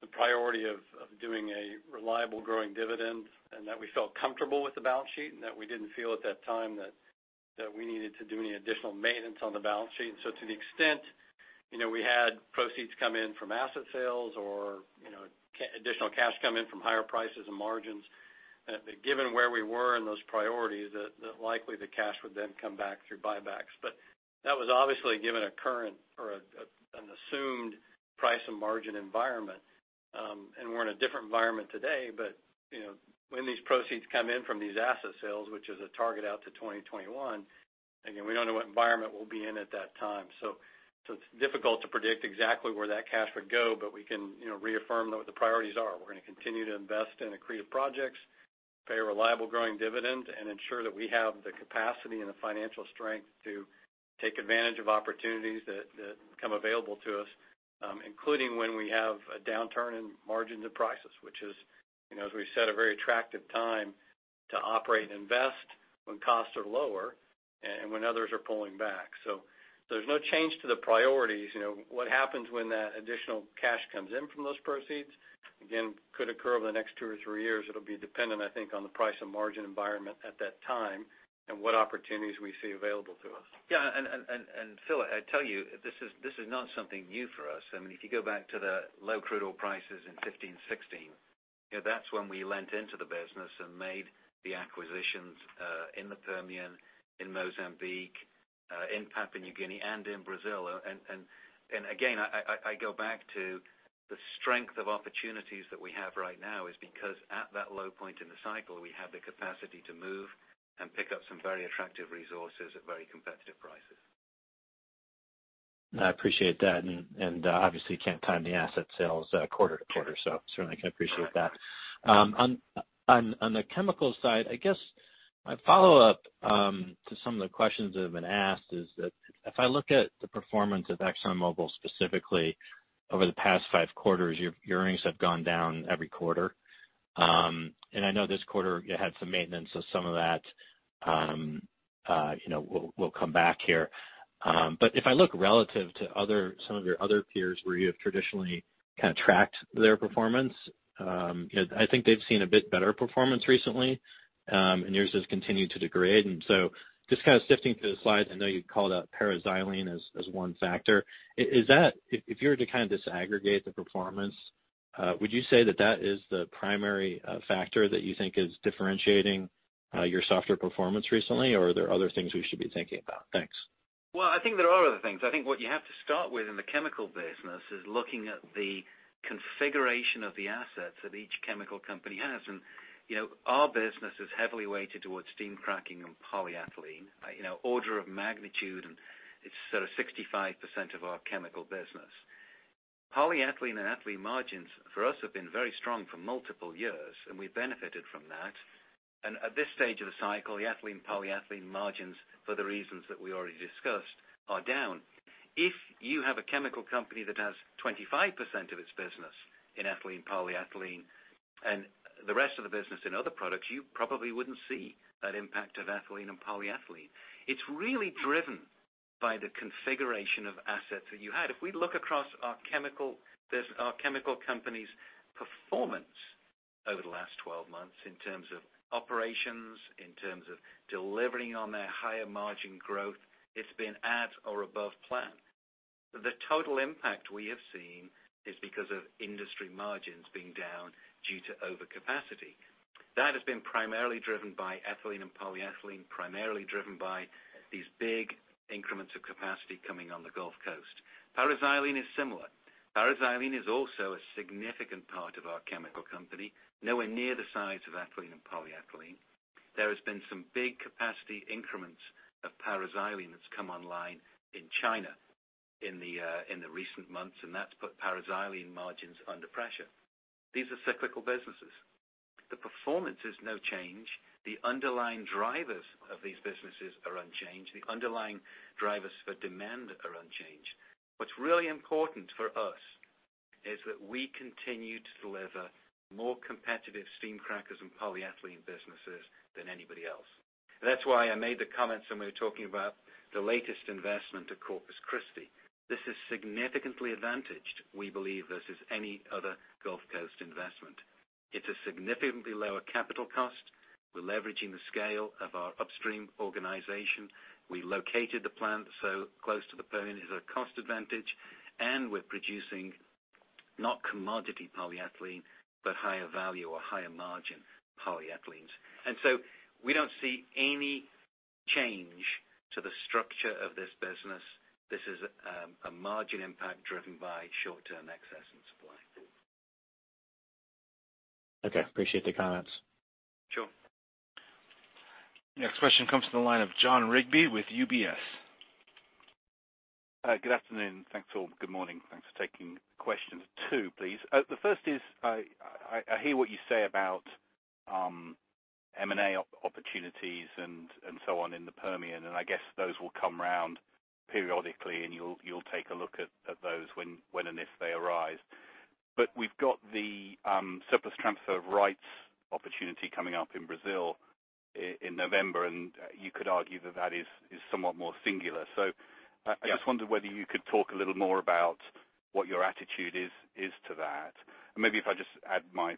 Speaker 2: the priority of doing a reliable growing dividend, and that we felt comfortable with the balance sheet, and that we didn't feel at that time that we needed to do any additional maintenance on the balance sheet. To the extent we had proceeds come in from asset sales or additional cash come in from higher prices and margins, given where we were in those priorities, that likely the cash would then come back through buybacks. That was obviously given a current or an assumed price and margin environment. We're in a different environment today, but when these proceeds come in from these asset sales, which is a target out to 2021, again, we don't know what environment we'll be in at that time. It's difficult to predict exactly where that cash would go, but we can reaffirm what the priorities are. We're going to continue to invest in accretive projects, pay a reliable growing dividend, and ensure that we have the capacity and the financial strength to take advantage of opportunities that come available to us, including when we have a downturn in margins and prices, which is, as we've said, a very attractive time to operate and invest when costs are lower and when others are pulling back. There's no change to the priorities. What happens when that additional cash comes in from those proceeds, again, could occur over the next two or three years. It'll be dependent, I think, on the price and margin environment at that time and what opportunities we see available to us.
Speaker 3: Yeah. Phil, I tell you, this is not something new for us. If you go back to the low crude oil prices in 2015, 2016, that's when we lent into the business and made the acquisitions in the Permian, in Mozambique, in Papua New Guinea, and in Brazil. Again, I go back to the strength of opportunities that we have right now is because at that low point in the cycle, we had the capacity to move and pick up some very attractive resources at very competitive prices.
Speaker 8: I appreciate that, obviously can't time the asset sales quarter to quarter, certainly can appreciate that. On the chemical side, I guess my follow-up to some of the questions that have been asked is that if I look at the performance of ExxonMobil specifically over the past five quarters, your earnings have gone down every quarter. I know this quarter you had some maintenance, some of that will come back here. If I look relative to some of your other peers where you have traditionally kind of tracked their performance, I think they've seen a bit better performance recently, yours has continued to degrade. Just kind of sifting through the slides, I know you called out paraxylene as one factor. If you were to kind of disaggregate the performance, would you say that that is the primary factor that you think is differentiating your softer performance recently, or are there other things we should be thinking about? Thanks.
Speaker 3: Well, I think there are other things. I think what you have to start with in the chemical business is looking at the configuration of the assets that each chemical company has. Our business is heavily weighted towards steam cracking and polyethylene. Order of magnitude, it's sort of 65% of our chemical business. Polyethylene and ethylene margins for us have been very strong for multiple years, and we benefited from that. At this stage of the cycle, the ethylene polyethylene margins, for the reasons that we already discussed, are down. If you have a chemical company that has 25% of its business in ethylene polyethylene and the rest of the business in other products, you probably wouldn't see that impact of ethylene and polyethylene. It's really driven by the configuration of assets that you had. If we look across our chemical companies' performance over the last 12 months in terms of operations, in terms of delivering on their higher margin growth, it's been at or above plan. The total impact we have seen is because of industry margins being down due to overcapacity. That has been primarily driven by ethylene and polyethylene, primarily driven by these big increments of capacity coming on the Gulf Coast. Paraxylene is similar. Paraxylene is also a significant part of our chemical company, nowhere near the size of ethylene and polyethylene. There has been some big capacity increments of paraxylene that's come online in China in the recent months, and that's put paraxylene margins under pressure. These are cyclical businesses. The performance is no change. The underlying drivers of these businesses are unchanged. The underlying drivers for demand are unchanged. What's really important for us is that we continue to deliver more competitive steam crackers and polyethylene businesses than anybody else. That's why I made the comments when we were talking about the latest investment at Corpus Christi. This is significantly advantaged, we believe, versus any other Gulf Coast investment. It's a significantly lower capital cost. We're leveraging the scale of our upstream organization. We located the plant so close to the Permian is a cost advantage. We're producing not commodity polyethylene, but higher value or higher margin polyethylene. We don't see any change to the structure of this business. This is a margin impact driven by short-term excess and supply.
Speaker 8: Okay. Appreciate the comments.
Speaker 3: Sure.
Speaker 1: Next question comes from the line of Jon Rigby with UBS.
Speaker 9: Good afternoon. Thanks all. Good morning. Thanks for taking the questions. Two, please. The first is, I hear what you say about M&A opportunities and so on in the Permian, and I guess those will come around periodically, and you'll take a look at those when and if they arise. We've got the surplus transfer of rights opportunity coming up in Brazil in November, and you could argue that is somewhat more singular.
Speaker 3: Yeah.
Speaker 9: I just wondered whether you could talk a little more about what your attitude is to that. Maybe if I just add my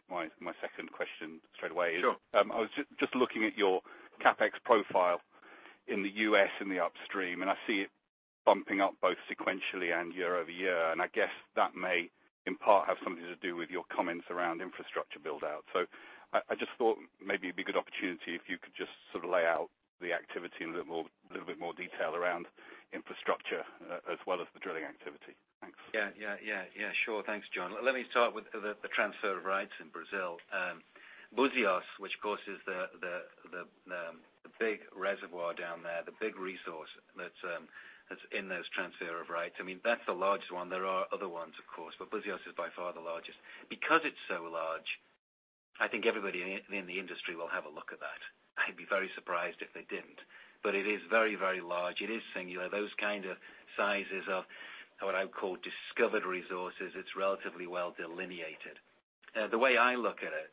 Speaker 9: second question straight away.
Speaker 3: Sure.
Speaker 9: I was just looking at your CapEx profile in the U.S. in the upstream, I see it bumping up both sequentially and year-over-year. I guess that may, in part, have something to do with your comments around infrastructure build-out. I just thought maybe it'd be a good opportunity if you could just lay out the activity in a little bit more detail around infrastructure as well as the drilling activity. Thanks.
Speaker 3: Yeah. Sure. Thanks, Jon. Let me start with the transfer of rights in Brazil. Buzios, which, of course, is the big reservoir down there, the big resource that's in this transfer of rights. That's the largest one. There are other ones, of course, but Buzios is by far the largest. It's so large, I think everybody in the industry will have a look at that. I'd be very surprised if they didn't, but it is very large. It is singular. Those kind of sizes are what I would call discovered resources. It's relatively well delineated. The way I look at it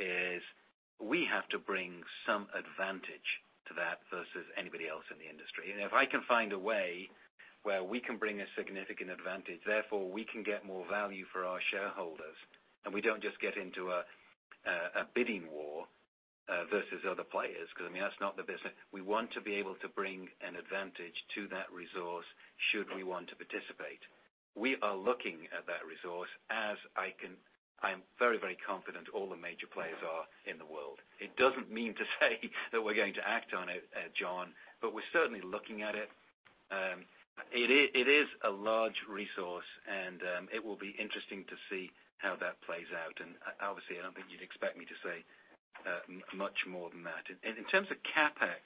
Speaker 3: is we have to bring some advantage to that versus anybody else in the industry. If I can find a way where we can bring a significant advantage, therefore, we can get more value for our shareholders, and we don't just get into a bidding war versus other players because that's not the business. We want to be able to bring an advantage to that resource should we want to participate. We are looking at that resource as I am very confident all the major players are in the world. It doesn't mean to say that we're going to act on it, Jon, but we're certainly looking at it. It is a large resource, and it will be interesting to see how that plays out. Obviously, I don't think you'd expect me to say much more than that. In terms of CapEx,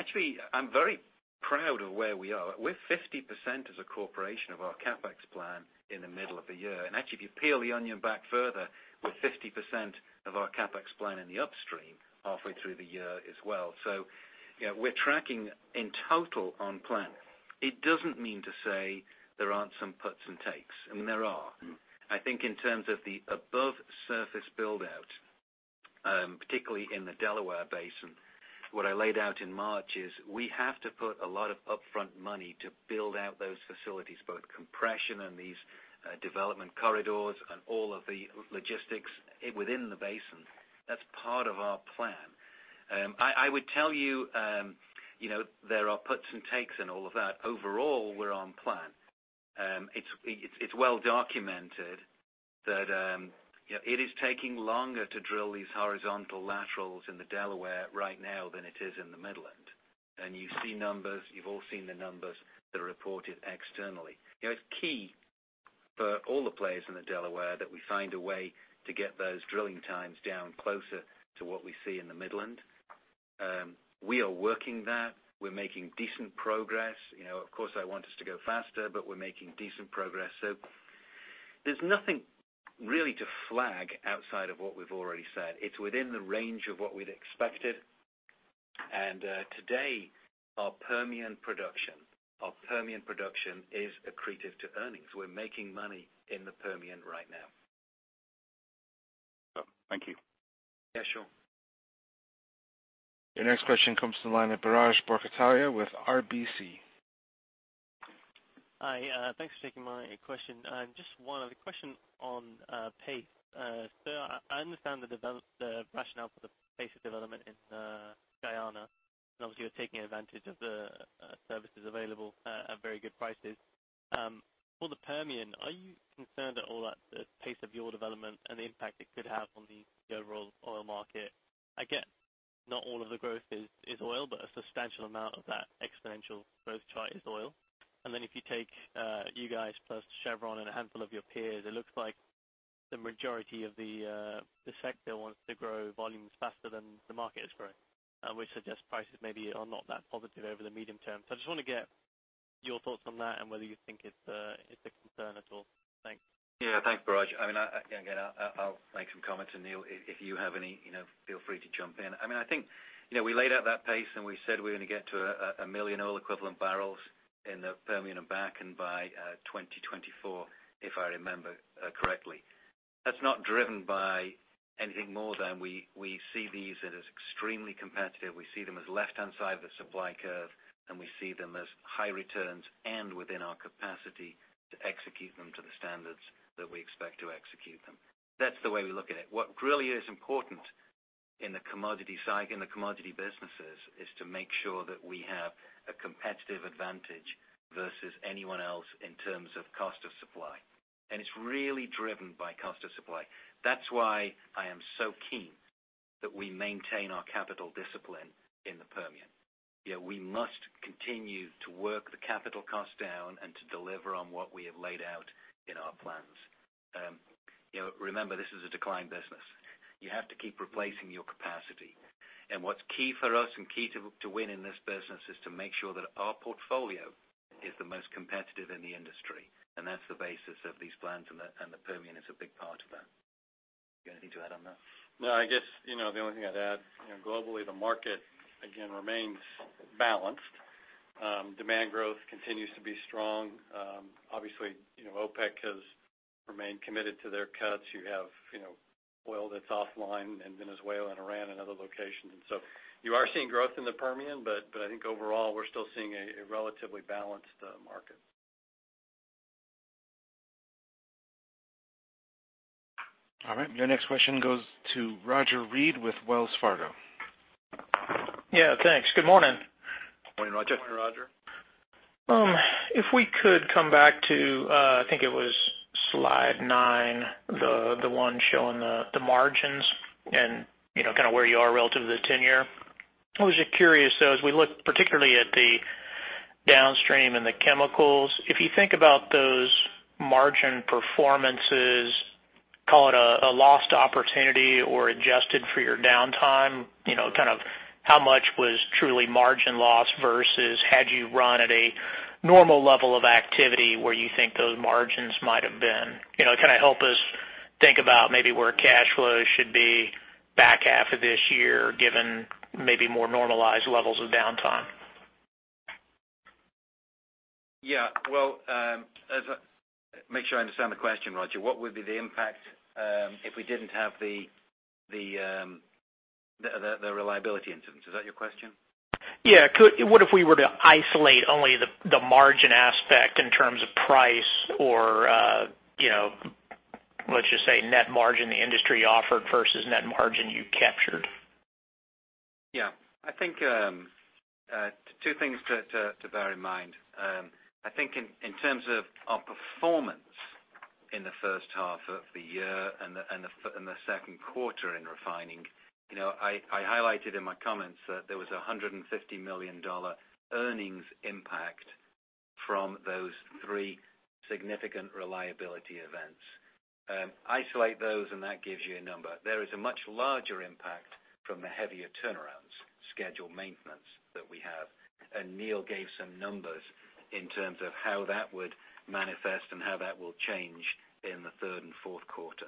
Speaker 3: actually, I'm very proud of where we are. We're 50% as a corporation of our CapEx plan in the middle of the year. Actually, if you peel the onion back further, we're 50% of our CapEx plan in the upstream halfway through the year as well. We're tracking in total on plan. It doesn't mean to say there aren't some puts and takes. There are. I think in terms of the above-surface build-out, particularly in the Delaware Basin, what I laid out in March is we have to put a lot of upfront money to build out those facilities, both compression and these development corridors and all of the logistics within the basin. That's part of our plan. I would tell you, there are puts and takes in all of that. Overall, we're on plan. It's well documented that it is taking longer to drill these horizontal laterals in the Delaware right now than it is in the Midland. You've seen numbers, you've all seen the numbers that are reported externally. It's key for all the players in the Delaware that we find a way to get those drilling times down closer to what we see in the Midland. We are working that. We're making decent progress. Of course, I want us to go faster, we're making decent progress. There's nothing really to flag outside of what we've already said. It's within the range of what we'd expected. Today, our Permian production is accretive to earnings. We're making money in the Permian right now.
Speaker 9: Thank you.
Speaker 3: Yeah, sure.
Speaker 1: Your next question comes to the line of Biraj Borkhataria with RBC.
Speaker 10: Hi. Thanks for taking my question. Just one other question on pace. Sir, I understand the rationale for the pace of development in Guyana, and obviously, you're taking advantage of the services available at very good prices. For the Permian, are you concerned at all at the pace of your development and the impact it could have on the overall oil market? Again, not all of the growth is oil, but a substantial amount of that exponential growth chart is oil. If you take you guys plus Chevron and a handful of your peers, it looks like the majority of the sector wants to grow volumes faster than the market is growing, which suggests prices maybe are not that positive over the medium term. I just want to get your thoughts on that and whether you think it's a concern at all. Thanks.
Speaker 3: Yeah. Thanks, Biraj. Again, I'll make some comments, and Neil, if you have any, feel free to jump in. I think we laid out that pace, and we said we're going to get to a million oil equivalent barrels in the Permian and Bakken by 2024, if I remember correctly. That's not driven by anything more than we see these as extremely competitive. We see them as left-hand side of the supply curve, and we see them as high returns and within our capacity to execute them to the standards that we expect to execute them. That's the way we look at it. What really is important in the commodity businesses is to make sure that we have a competitive advantage versus anyone else in terms of cost of supply. It's really driven by cost of supply. That's why I am so keen that we maintain our capital discipline in the Permian. We must continue to work the capital cost down and to deliver on what we have laid out in our plans. Remember, this is a decline business. You have to keep replacing your capacity. What's key for us and key to win in this business is to make sure that our portfolio is the most competitive in the industry, and that's the basis of these plans, and the Permian is a big part of that. You have anything to add on that?
Speaker 2: I guess, the only thing I'd add, globally, the market again remains balanced. Demand growth continues to be strong. Obviously, OPEC has remained committed to their cuts. You have oil that's offline in Venezuela and Iran and other locations. You are seeing growth in the Permian, but I think overall, we're still seeing a relatively balanced market.
Speaker 1: All right. Your next question goes to Roger Read with Wells Fargo.
Speaker 11: Yeah, thanks. Good morning.
Speaker 3: Morning, Roger.
Speaker 2: Morning, Roger.
Speaker 11: If we could come back to, I think it was slide nine, the one showing the margins and kind of where you are relative to the 10-year. I was just curious, though, as we look particularly at the downstream and the chemicals. If you think about those margin performances, call it a lost opportunity or adjusted for your downtime. How much was truly margin loss versus had you run at a normal level of activity where you think those margins might have been? Kind of help us think about maybe where cash flows should be back half of this year, given maybe more normalized levels of downtime.
Speaker 3: Yeah. Well, make sure I understand the question, Roger. What would be the impact, if we didn't have the reliability incidents? Is that your question?
Speaker 11: Yeah. What if we were to isolate only the margin aspect in terms of price or let's just say net margin the industry offered versus net margin you captured?
Speaker 3: I think, two things to bear in mind. I think in terms of our performance in the first half of the year and the second quarter in refining. I highlighted in my comments that there was a $150 million earnings impact from those three significant reliability events. Isolate those, and that gives you a number. There is a much larger impact from the heavier turnarounds, scheduled maintenance that we have. Neil gave some numbers in terms of how that would manifest and how that will change in the third and fourth quarter.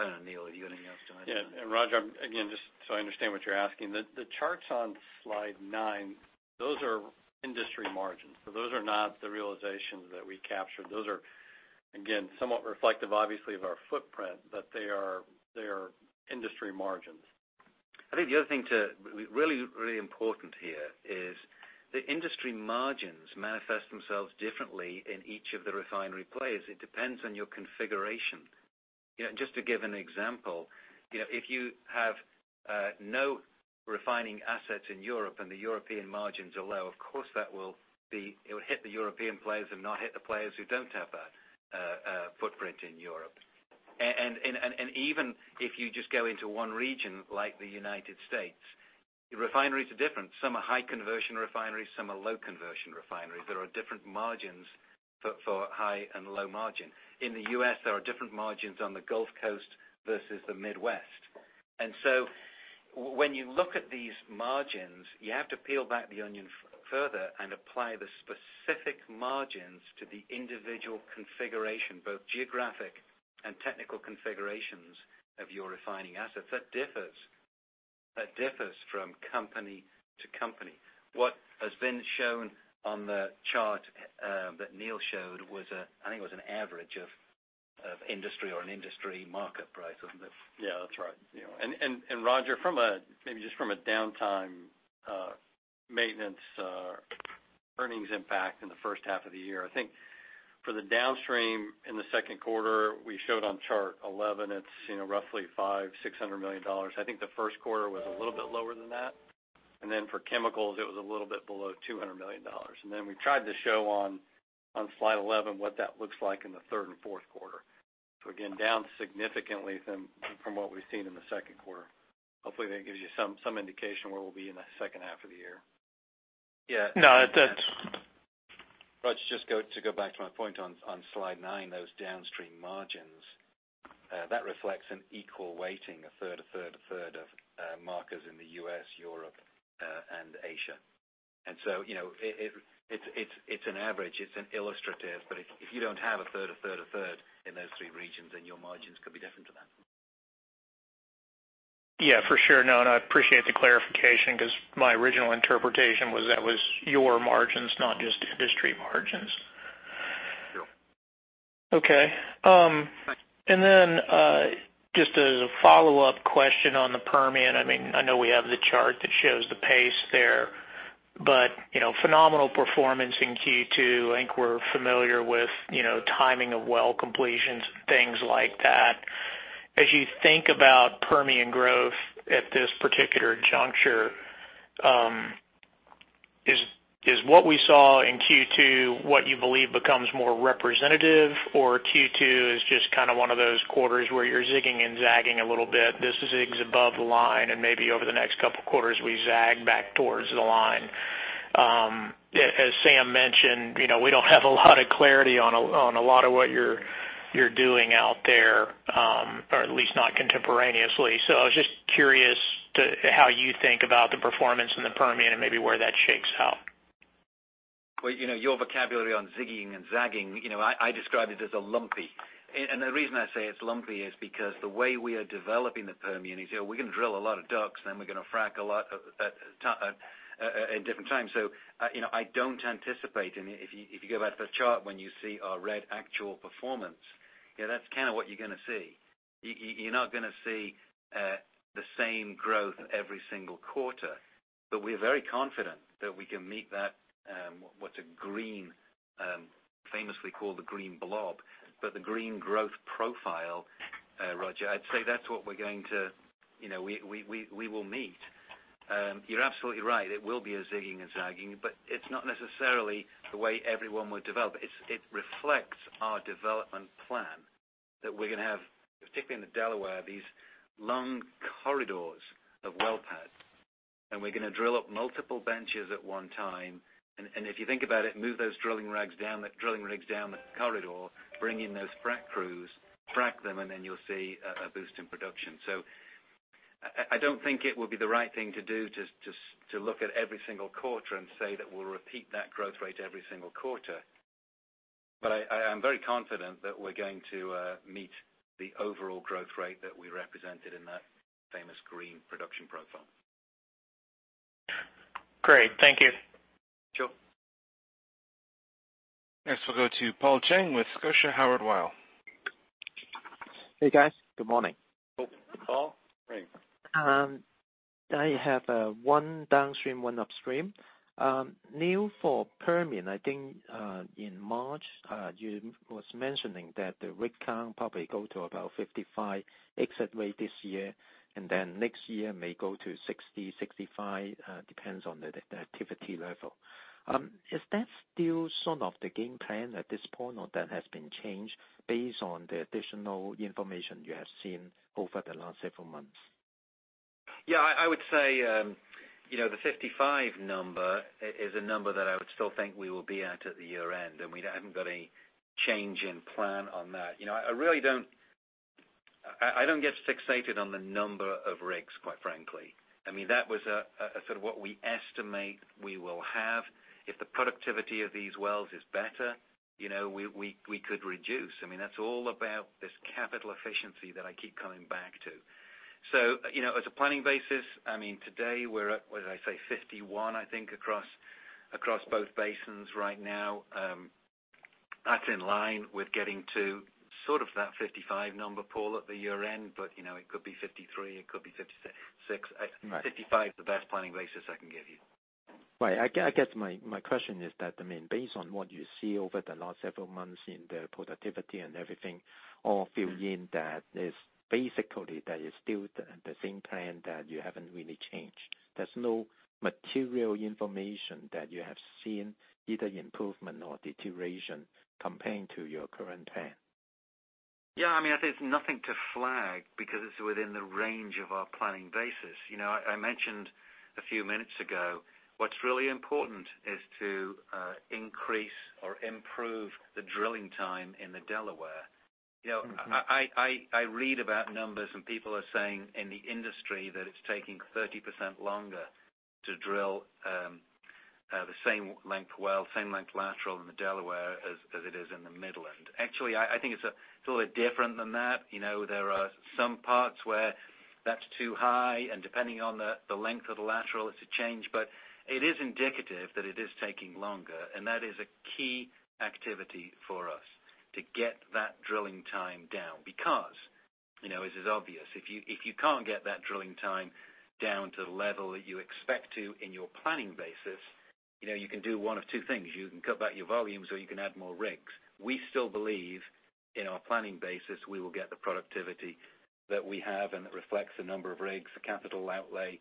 Speaker 3: I don't know, Neil, you got anything else to add?
Speaker 2: Yeah. Roger, again, just so I understand what you're asking. The charts on slide nine, those are industry margins. Those are not the realizations that we captured. Those are, again, somewhat reflective, obviously, of our footprint, but they are industry margins.
Speaker 3: I think the other thing really important here is the industry margins manifest themselves differently in each of the refinery plays. It depends on your configuration. Just to give an example. If you have no refining assets in Europe and the European margins are low, of course it will hit the European players and not hit the players who don't have a footprint in Europe. Even if you just go into one region like the U.S., refineries are different. Some are high conversion refineries, some are low conversion refineries. There are different margins for high and low margin. In the U.S., there are different margins on the Gulf Coast versus the Midwest. When you look at these margins, you have to peel back the onion further and apply the specific margins to the individual configuration, both geographic and technical configurations of your refining assets. That differs from company to company. What has been shown on the chart that Neil showed was, I think it was an average of industry or an industry market price, wasn't it?
Speaker 2: Yeah, that's right. Roger, maybe just from a downtime maintenance earnings impact in the first half of the year. I think for the downstream in the second quarter, we showed on chart 11, it's roughly $500 million-$600 million. I think the first quarter was a little bit lower than that. For chemicals, it was a little bit below $200 million. We tried to show on slide 11 what that looks like in the third and fourth quarter. Again, down significantly from what we've seen in the second quarter. Hopefully, that gives you some indication where we'll be in the second half of the year.
Speaker 3: Yeah.
Speaker 11: No.
Speaker 3: Roger, just to go back to my point on slide nine, those downstream margins. That reflects an equal weighting, 1/3, 1/3, 1/3 of markets in the U.S., Europe, and Asia. It's an average. It's an illustrative. If you don't have a third, a third, a third in those three regions, then your margins could be different to that.
Speaker 11: Yeah, for sure. No, I appreciate the clarification because my original interpretation was that was your margins, not just industry margins.
Speaker 3: Sure.
Speaker 11: Okay. Then, just as a follow-up question on the Permian. I know we have the chart that shows the pace there. But phenomenal performance in Q2. I think we're familiar with timing of well completions and things like that. As you think about Permian growth at this particular juncture. Is what we saw in Q2 what you believe becomes more representative? Or Q2 is just one of those quarters where you're zigging and zagging a little bit? This zigs above the line, and maybe over the next couple of quarters, we zag back towards the line. As Sam mentioned, we don't have a lot of clarity on a lot of what you're doing out there, or at least not contemporaneously. I was just curious how you think about the performance in the Permian and maybe where that shakes out.
Speaker 3: Well, your vocabulary on zigging and zagging, I describe it as a lumpy. The reason I say it's lumpy is because the way we are developing the Permian is we're going to drill a lot of DUCs, then we're going to frack a lot at different times. I don't anticipate, and if you go back to the chart when you see our red actual performance, that's what you're going to see. You're not going to see the same growth every single quarter. We're very confident that we can meet what's famously called the green blob. The green growth profile, Roger, I'd say that's what we will meet. You're absolutely right. It will be a zigging and zagging, but it's not necessarily the way everyone would develop. It reflects our development plan that we're going to have, particularly in the Delaware, these long corridors of well pads. We're going to drill up multiple benches at one time. If you think about it, move those drilling rigs down the corridor, bring in those frack crews, frack them. You'll see a boost in production. I don't think it would be the right thing to do to look at every single quarter and say that we'll repeat that growth rate every single quarter. I am very confident that we're going to meet the overall growth rate that we represented in that famous green production profile.
Speaker 11: Great. Thank you.
Speaker 3: Sure.
Speaker 1: Next we'll go to Paul Cheng with Scotia Howard Weil.
Speaker 12: Hey, guys. Good morning.
Speaker 3: Welcome, Paul. Great.
Speaker 12: I have one downstream, one upstream. New for Permian, I think, in March, you was mentioning that the rig count probably go to about 55 exit rate this year. Then next year may go to 60, 65, depends on the activity level. Is that still sort of the game plan at this point, or that has been changed based on the additional information you have seen over the last several months?
Speaker 3: Yeah, I would say, the 55 number is a number that I would still think we will be at at the year-end, and we haven't got any change in plan on that. I don't get fixated on the number of rigs, quite frankly. That was a sort of what we estimate we will have. If the productivity of these wells is better, we could reduce. That's all about this capital efficiency that I keep coming back to. As a planning basis, today we're at, what did I say, 51, I think, across both basins right now. That's in line with getting to sort of that 55 number, Paul, at the year-end, but it could be 53, it could be 56.
Speaker 12: Right.
Speaker 3: 55 is the best planning basis I can give you.
Speaker 12: Right. I guess my question is that, based on what you see over the last several months in the productivity and everything all filling in, that is basically still the same plan that you haven't really changed. There is no material information that you have seen either improvement or deterioration comparing to your current plan.
Speaker 3: Yeah. There's nothing to flag because it's within the range of our planning basis. I mentioned a few minutes ago, what's really important is to increase or improve the drilling time in the Delaware. I read about numbers, and people are saying in the industry that it's taking 30% longer to drill the same length well, same length lateral in the Delaware as it is in the Midland. Actually, I think it's a little bit different than that. There are some parts where that's too high, and depending on the length of the lateral, it's a change. But it is indicative that it is taking longer, and that is a key activity for us to get that drilling time down. Because as is obvious, if you can't get that drilling time down to the level that you expect to in your planning basis, you can do one of two things. You can cut back your volumes, or you can add more rigs. We still believe in our planning basis, we will get the productivity that we have, and that reflects the number of rigs, the capital outlay,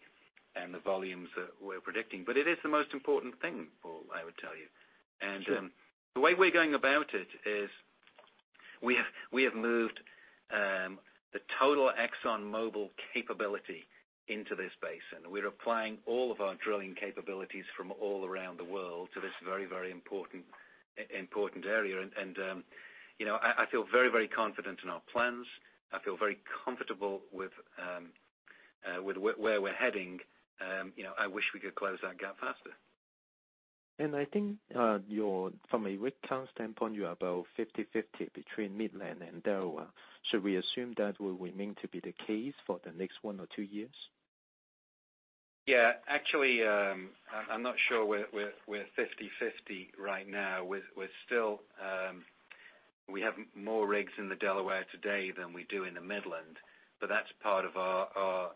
Speaker 3: and the volumes that we're predicting. It is the most important thing, Paul, I would tell you.
Speaker 12: Sure.
Speaker 3: The way we're going about it is we have moved the total ExxonMobil capability into this basin. We're applying all of our drilling capabilities from all around the world to this very, very important area. I feel very, very confident in our plans. I feel very comfortable with where we're heading. I wish we could close that gap faster.
Speaker 12: I think from a rig count standpoint, you're about 50/50 between Midland and Delaware. Should we assume, that will remain to be the case for the next one or two years?
Speaker 3: Actually, I'm not sure we're 50/50 right now. We have more rigs in the Delaware today than we do in the Midland. That's part of our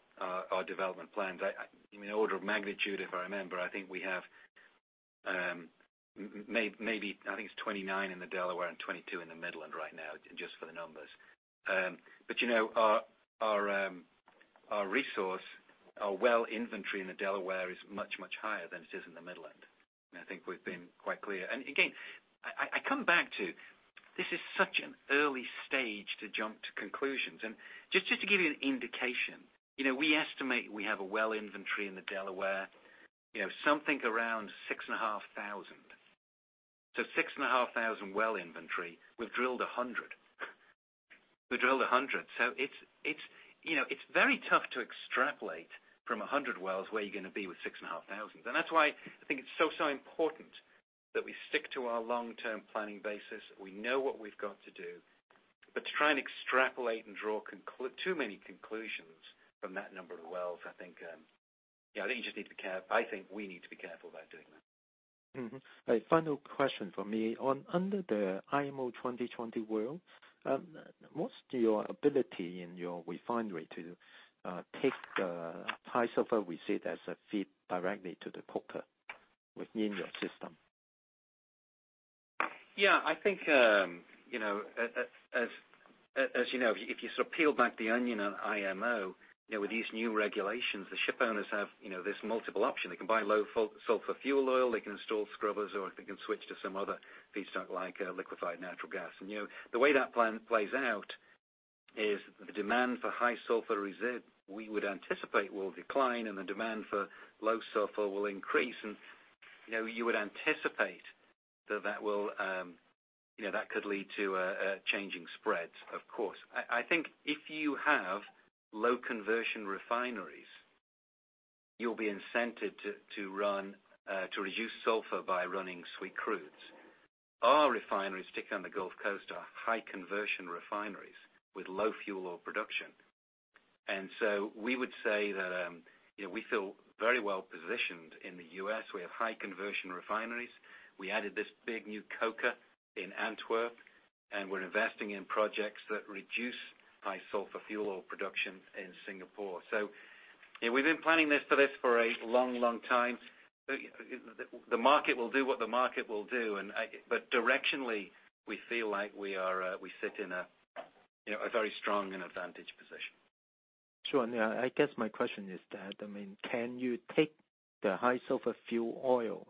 Speaker 3: development plans. In the order of magnitude, if I remember, I think we have maybe, I think it's 29 in the Delaware and 22 in the Midland right now, just for the numbers. Our resource, our well inventory in the Delaware is much, much higher than it is in the Midland. I think we've been quite clear. Again, I come back to, this is such an early stage to jump to conclusions. Just to give you an indication, we estimate we have a well inventory in the Delaware, something around 6,500. 6,500 well inventory. We've drilled 100. It's very tough to extrapolate from 100 wells where you're going to be with 6,500. That's why I think it's so important that we stick to our long-term planning basis. We know what we've got to do. To try and extrapolate and draw too many conclusions from that number of wells, I think we need to be careful about doing that.
Speaker 12: A final question from me. Under the IMO 2020 world, what's your ability in your refinery to take the high sulfur resid as a feed directly to the coker within your system?
Speaker 3: Yeah, as you know, if you sort of peel back the onion on IMO, with these new regulations, the ship owners have this multiple option. They can buy low sulfur fuel oil, they can install scrubbers, or they can switch to some other feedstock, like liquefied natural gas. The way that plan plays out is the demand for high sulfur resid, we would anticipate, will decline, and the demand for low sulfur will increase. You would anticipate that could lead to a changing spread, of course. I think if you have low conversion refineries, you'll be incented to reduce sulfur by running sweet crudes. Our refineries, particularly on the Gulf Coast, are high conversion refineries with low fuel oil production. We would say that we feel very well-positioned in the U.S. We have high conversion refineries. We added this big new coker in Antwerp. We're investing in projects that reduce high sulfur fuel oil production in Singapore. We've been planning for this for a long, long time. The market will do what the market will do. Directionally, we feel like we sit in a very strong and advantaged position.
Speaker 12: Sure. I guess my question is that, can you take the high sulfur fuel oil,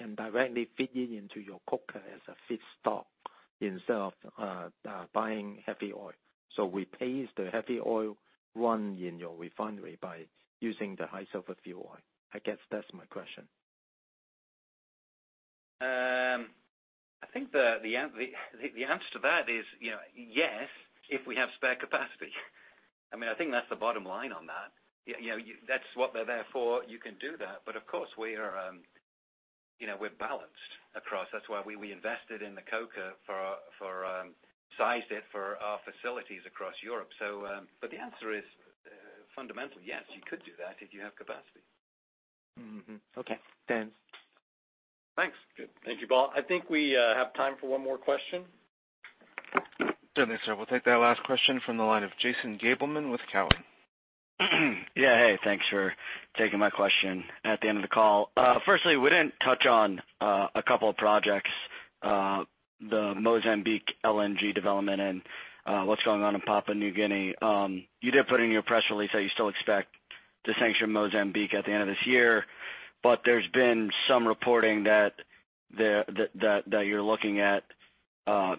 Speaker 12: and directly feed it into your coker as a feedstock instead of buying heavy oil? Replace the heavy oil run in your refinery by using the high sulfur fuel oil. I guess that's my question.
Speaker 3: I think the answer to that is yes, if we have spare capacity. I think that's the bottom line on that. That's what they're there for. You can do that. Of course, we're balanced across. That's why we invested in the coker, sized it for our facilities across Europe. The answer is fundamentally yes, you could do that if you have capacity.
Speaker 12: Mm-hmm. Okay, thanks.
Speaker 3: Thanks.
Speaker 2: Thank you, Paul. I think we have time for one more question.
Speaker 1: Certainly, sir. We'll take that last question from the line of Jason Gabelman with Cowen.
Speaker 13: Yeah. Hey, thanks for taking my question at the end of the call. Firstly, we didn't touch on a couple of projects, the Mozambique LNG development and what's going on in Papua New Guinea. You did put in your press release that you still expect to sanction Mozambique at the end of this year, but there's been some reporting that you're looking at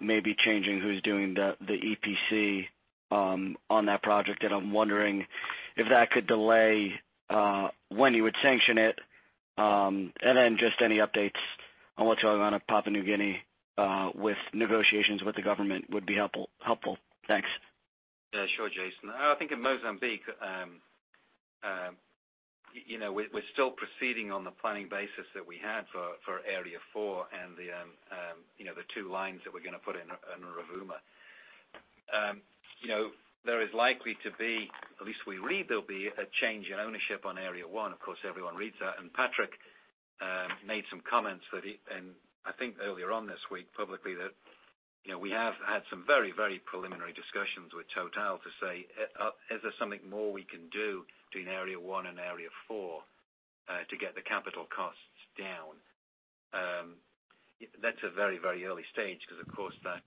Speaker 13: maybe changing who's doing the EPC on that project. I'm wondering if that could delay when you would sanction it. Just any updates on what's going on at Papua New Guinea, with negotiations with the government would be helpful. Thanks.
Speaker 3: Yeah, sure, Jason. I think in Mozambique, we're still proceeding on the planning basis that we had for Area four and the two lines that we're going to put in Rovuma. There is likely to be, at least we read there'll be, a change in ownership on Area one. Of course, everyone reads that. Patrick made some comments, I think earlier on this week, publicly, that we have had some very, very preliminary discussions with Total to say, "Is there something more we can do between Area one and Area four to get the capital costs down?" That's a very, very early stage because, of course, that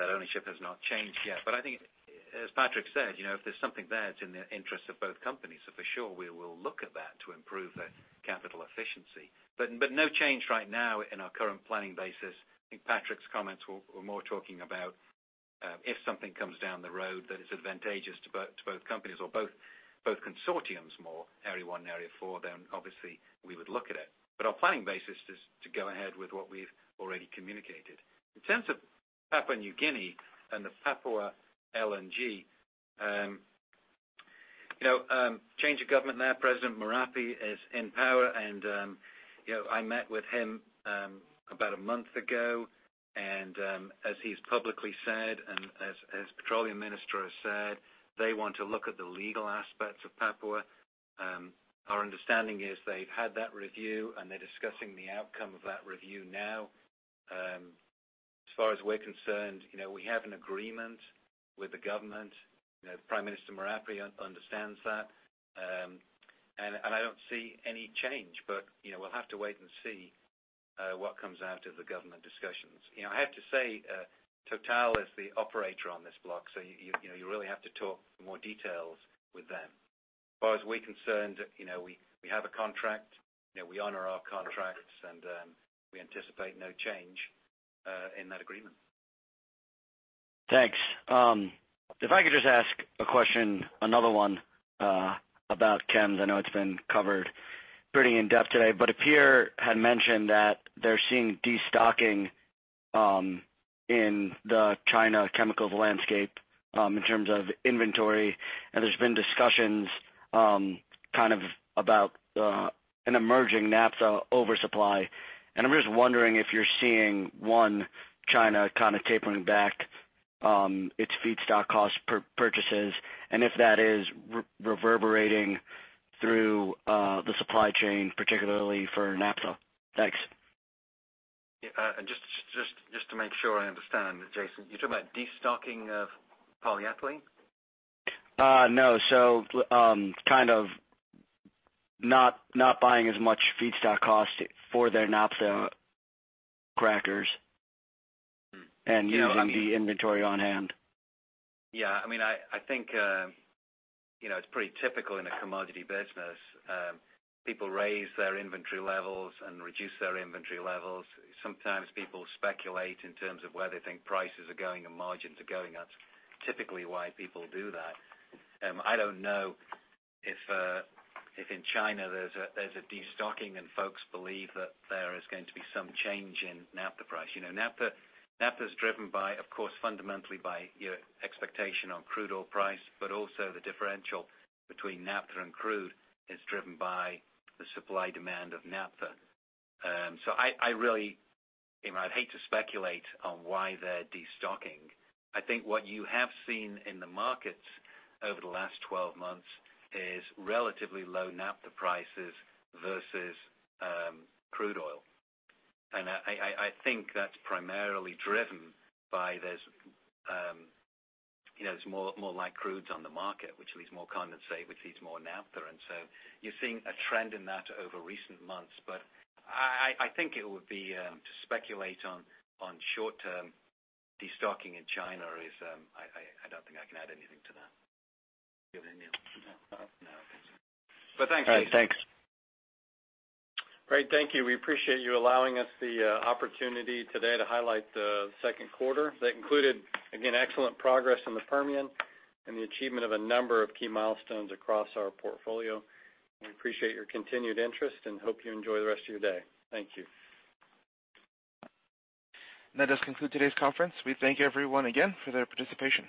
Speaker 3: ownership has not changed yet. I think as Patrick said, if there's something there, it's in the interest of both companies. For sure, we will look at that to improve the capital efficiency. No change right now in our current planning basis. I think Patrick's comments were more talking about, if something comes down the road that is advantageous to both companies or both consortiums more, Area one and Area four, then obviously we would look at it. Our planning basis is to go ahead with what we've already communicated. In terms of Papua New Guinea and the Papua LNG, change of government there. President Marape is in power, and I met with him about a month ago. As he's publicly said, and as petroleum minister has said, they want to look at the legal aspects of Papua. Our understanding is they've had that review, and they're discussing the outcome of that review now. As far as we're concerned, we have an agreement with the government. Prime Minister Marape understands that. I don't see any change, but we'll have to wait and see what comes out of the government discussions. I have to say, Total is the operator on this block, so you really have to talk for more details with them. As far as we're concerned, we have a contract. We honor our contracts, and we anticipate no change in that agreement.
Speaker 13: Thanks. If I could just ask a question, another one about Chem. I know it's been covered pretty in-depth today, a peer had mentioned that they're seeing de-stocking in the China chemicals landscape in terms of inventory, and there's been discussions about an emerging naphtha oversupply. I'm just wondering if you're seeing, one, China tapering back its feedstock cost purchases, and if that is reverberating through the supply chain, particularly for naphtha. Thanks.
Speaker 3: Yeah. Just to make sure I understand, Jason, you're talking about de-stocking of polyethylene?
Speaker 13: No. Not buying as much feedstock cost for their naphtha crackers. Using the inventory on hand.
Speaker 3: I think it's pretty typical in a commodity business. People raise their inventory levels and reduce their inventory levels. Sometimes people speculate in terms of where they think prices are going and margins are going. That's typically why people do that. I don't know if in China there's a de-stocking and folks believe that there is going to be some change in naphtha price. Naphtha's driven by, of course, fundamentally by your expectation on crude oil price, but also the differential between naphtha and crude is driven by the supply-demand of naphtha. I'd hate to speculate on why they're de-stocking. I think what you have seen in the markets over the last 12 months is relatively low naphtha prices versus crude oil. I think that's primarily driven by, there's more light crudes on the market, which leaves more condensate, which leaves more naphtha. You're seeing a trend in that over recent months. I think it would be; to speculate on short-term de-stocking in China, I don't think I can add anything to that. You have anything, Neil?
Speaker 2: No. Uh-uh.
Speaker 3: No, okay. Thanks, Jason.
Speaker 13: All right, thanks.
Speaker 2: Great. Thank you. We appreciate you allowing us the opportunity today to highlight the second quarter. That included, again, excellent progress in the Permian and the achievement of a number of key milestones across our portfolio. We appreciate your continued interest and hope you enjoy the rest of your day. Thank you.
Speaker 1: That does conclude today's conference. We thank everyone again for their participation.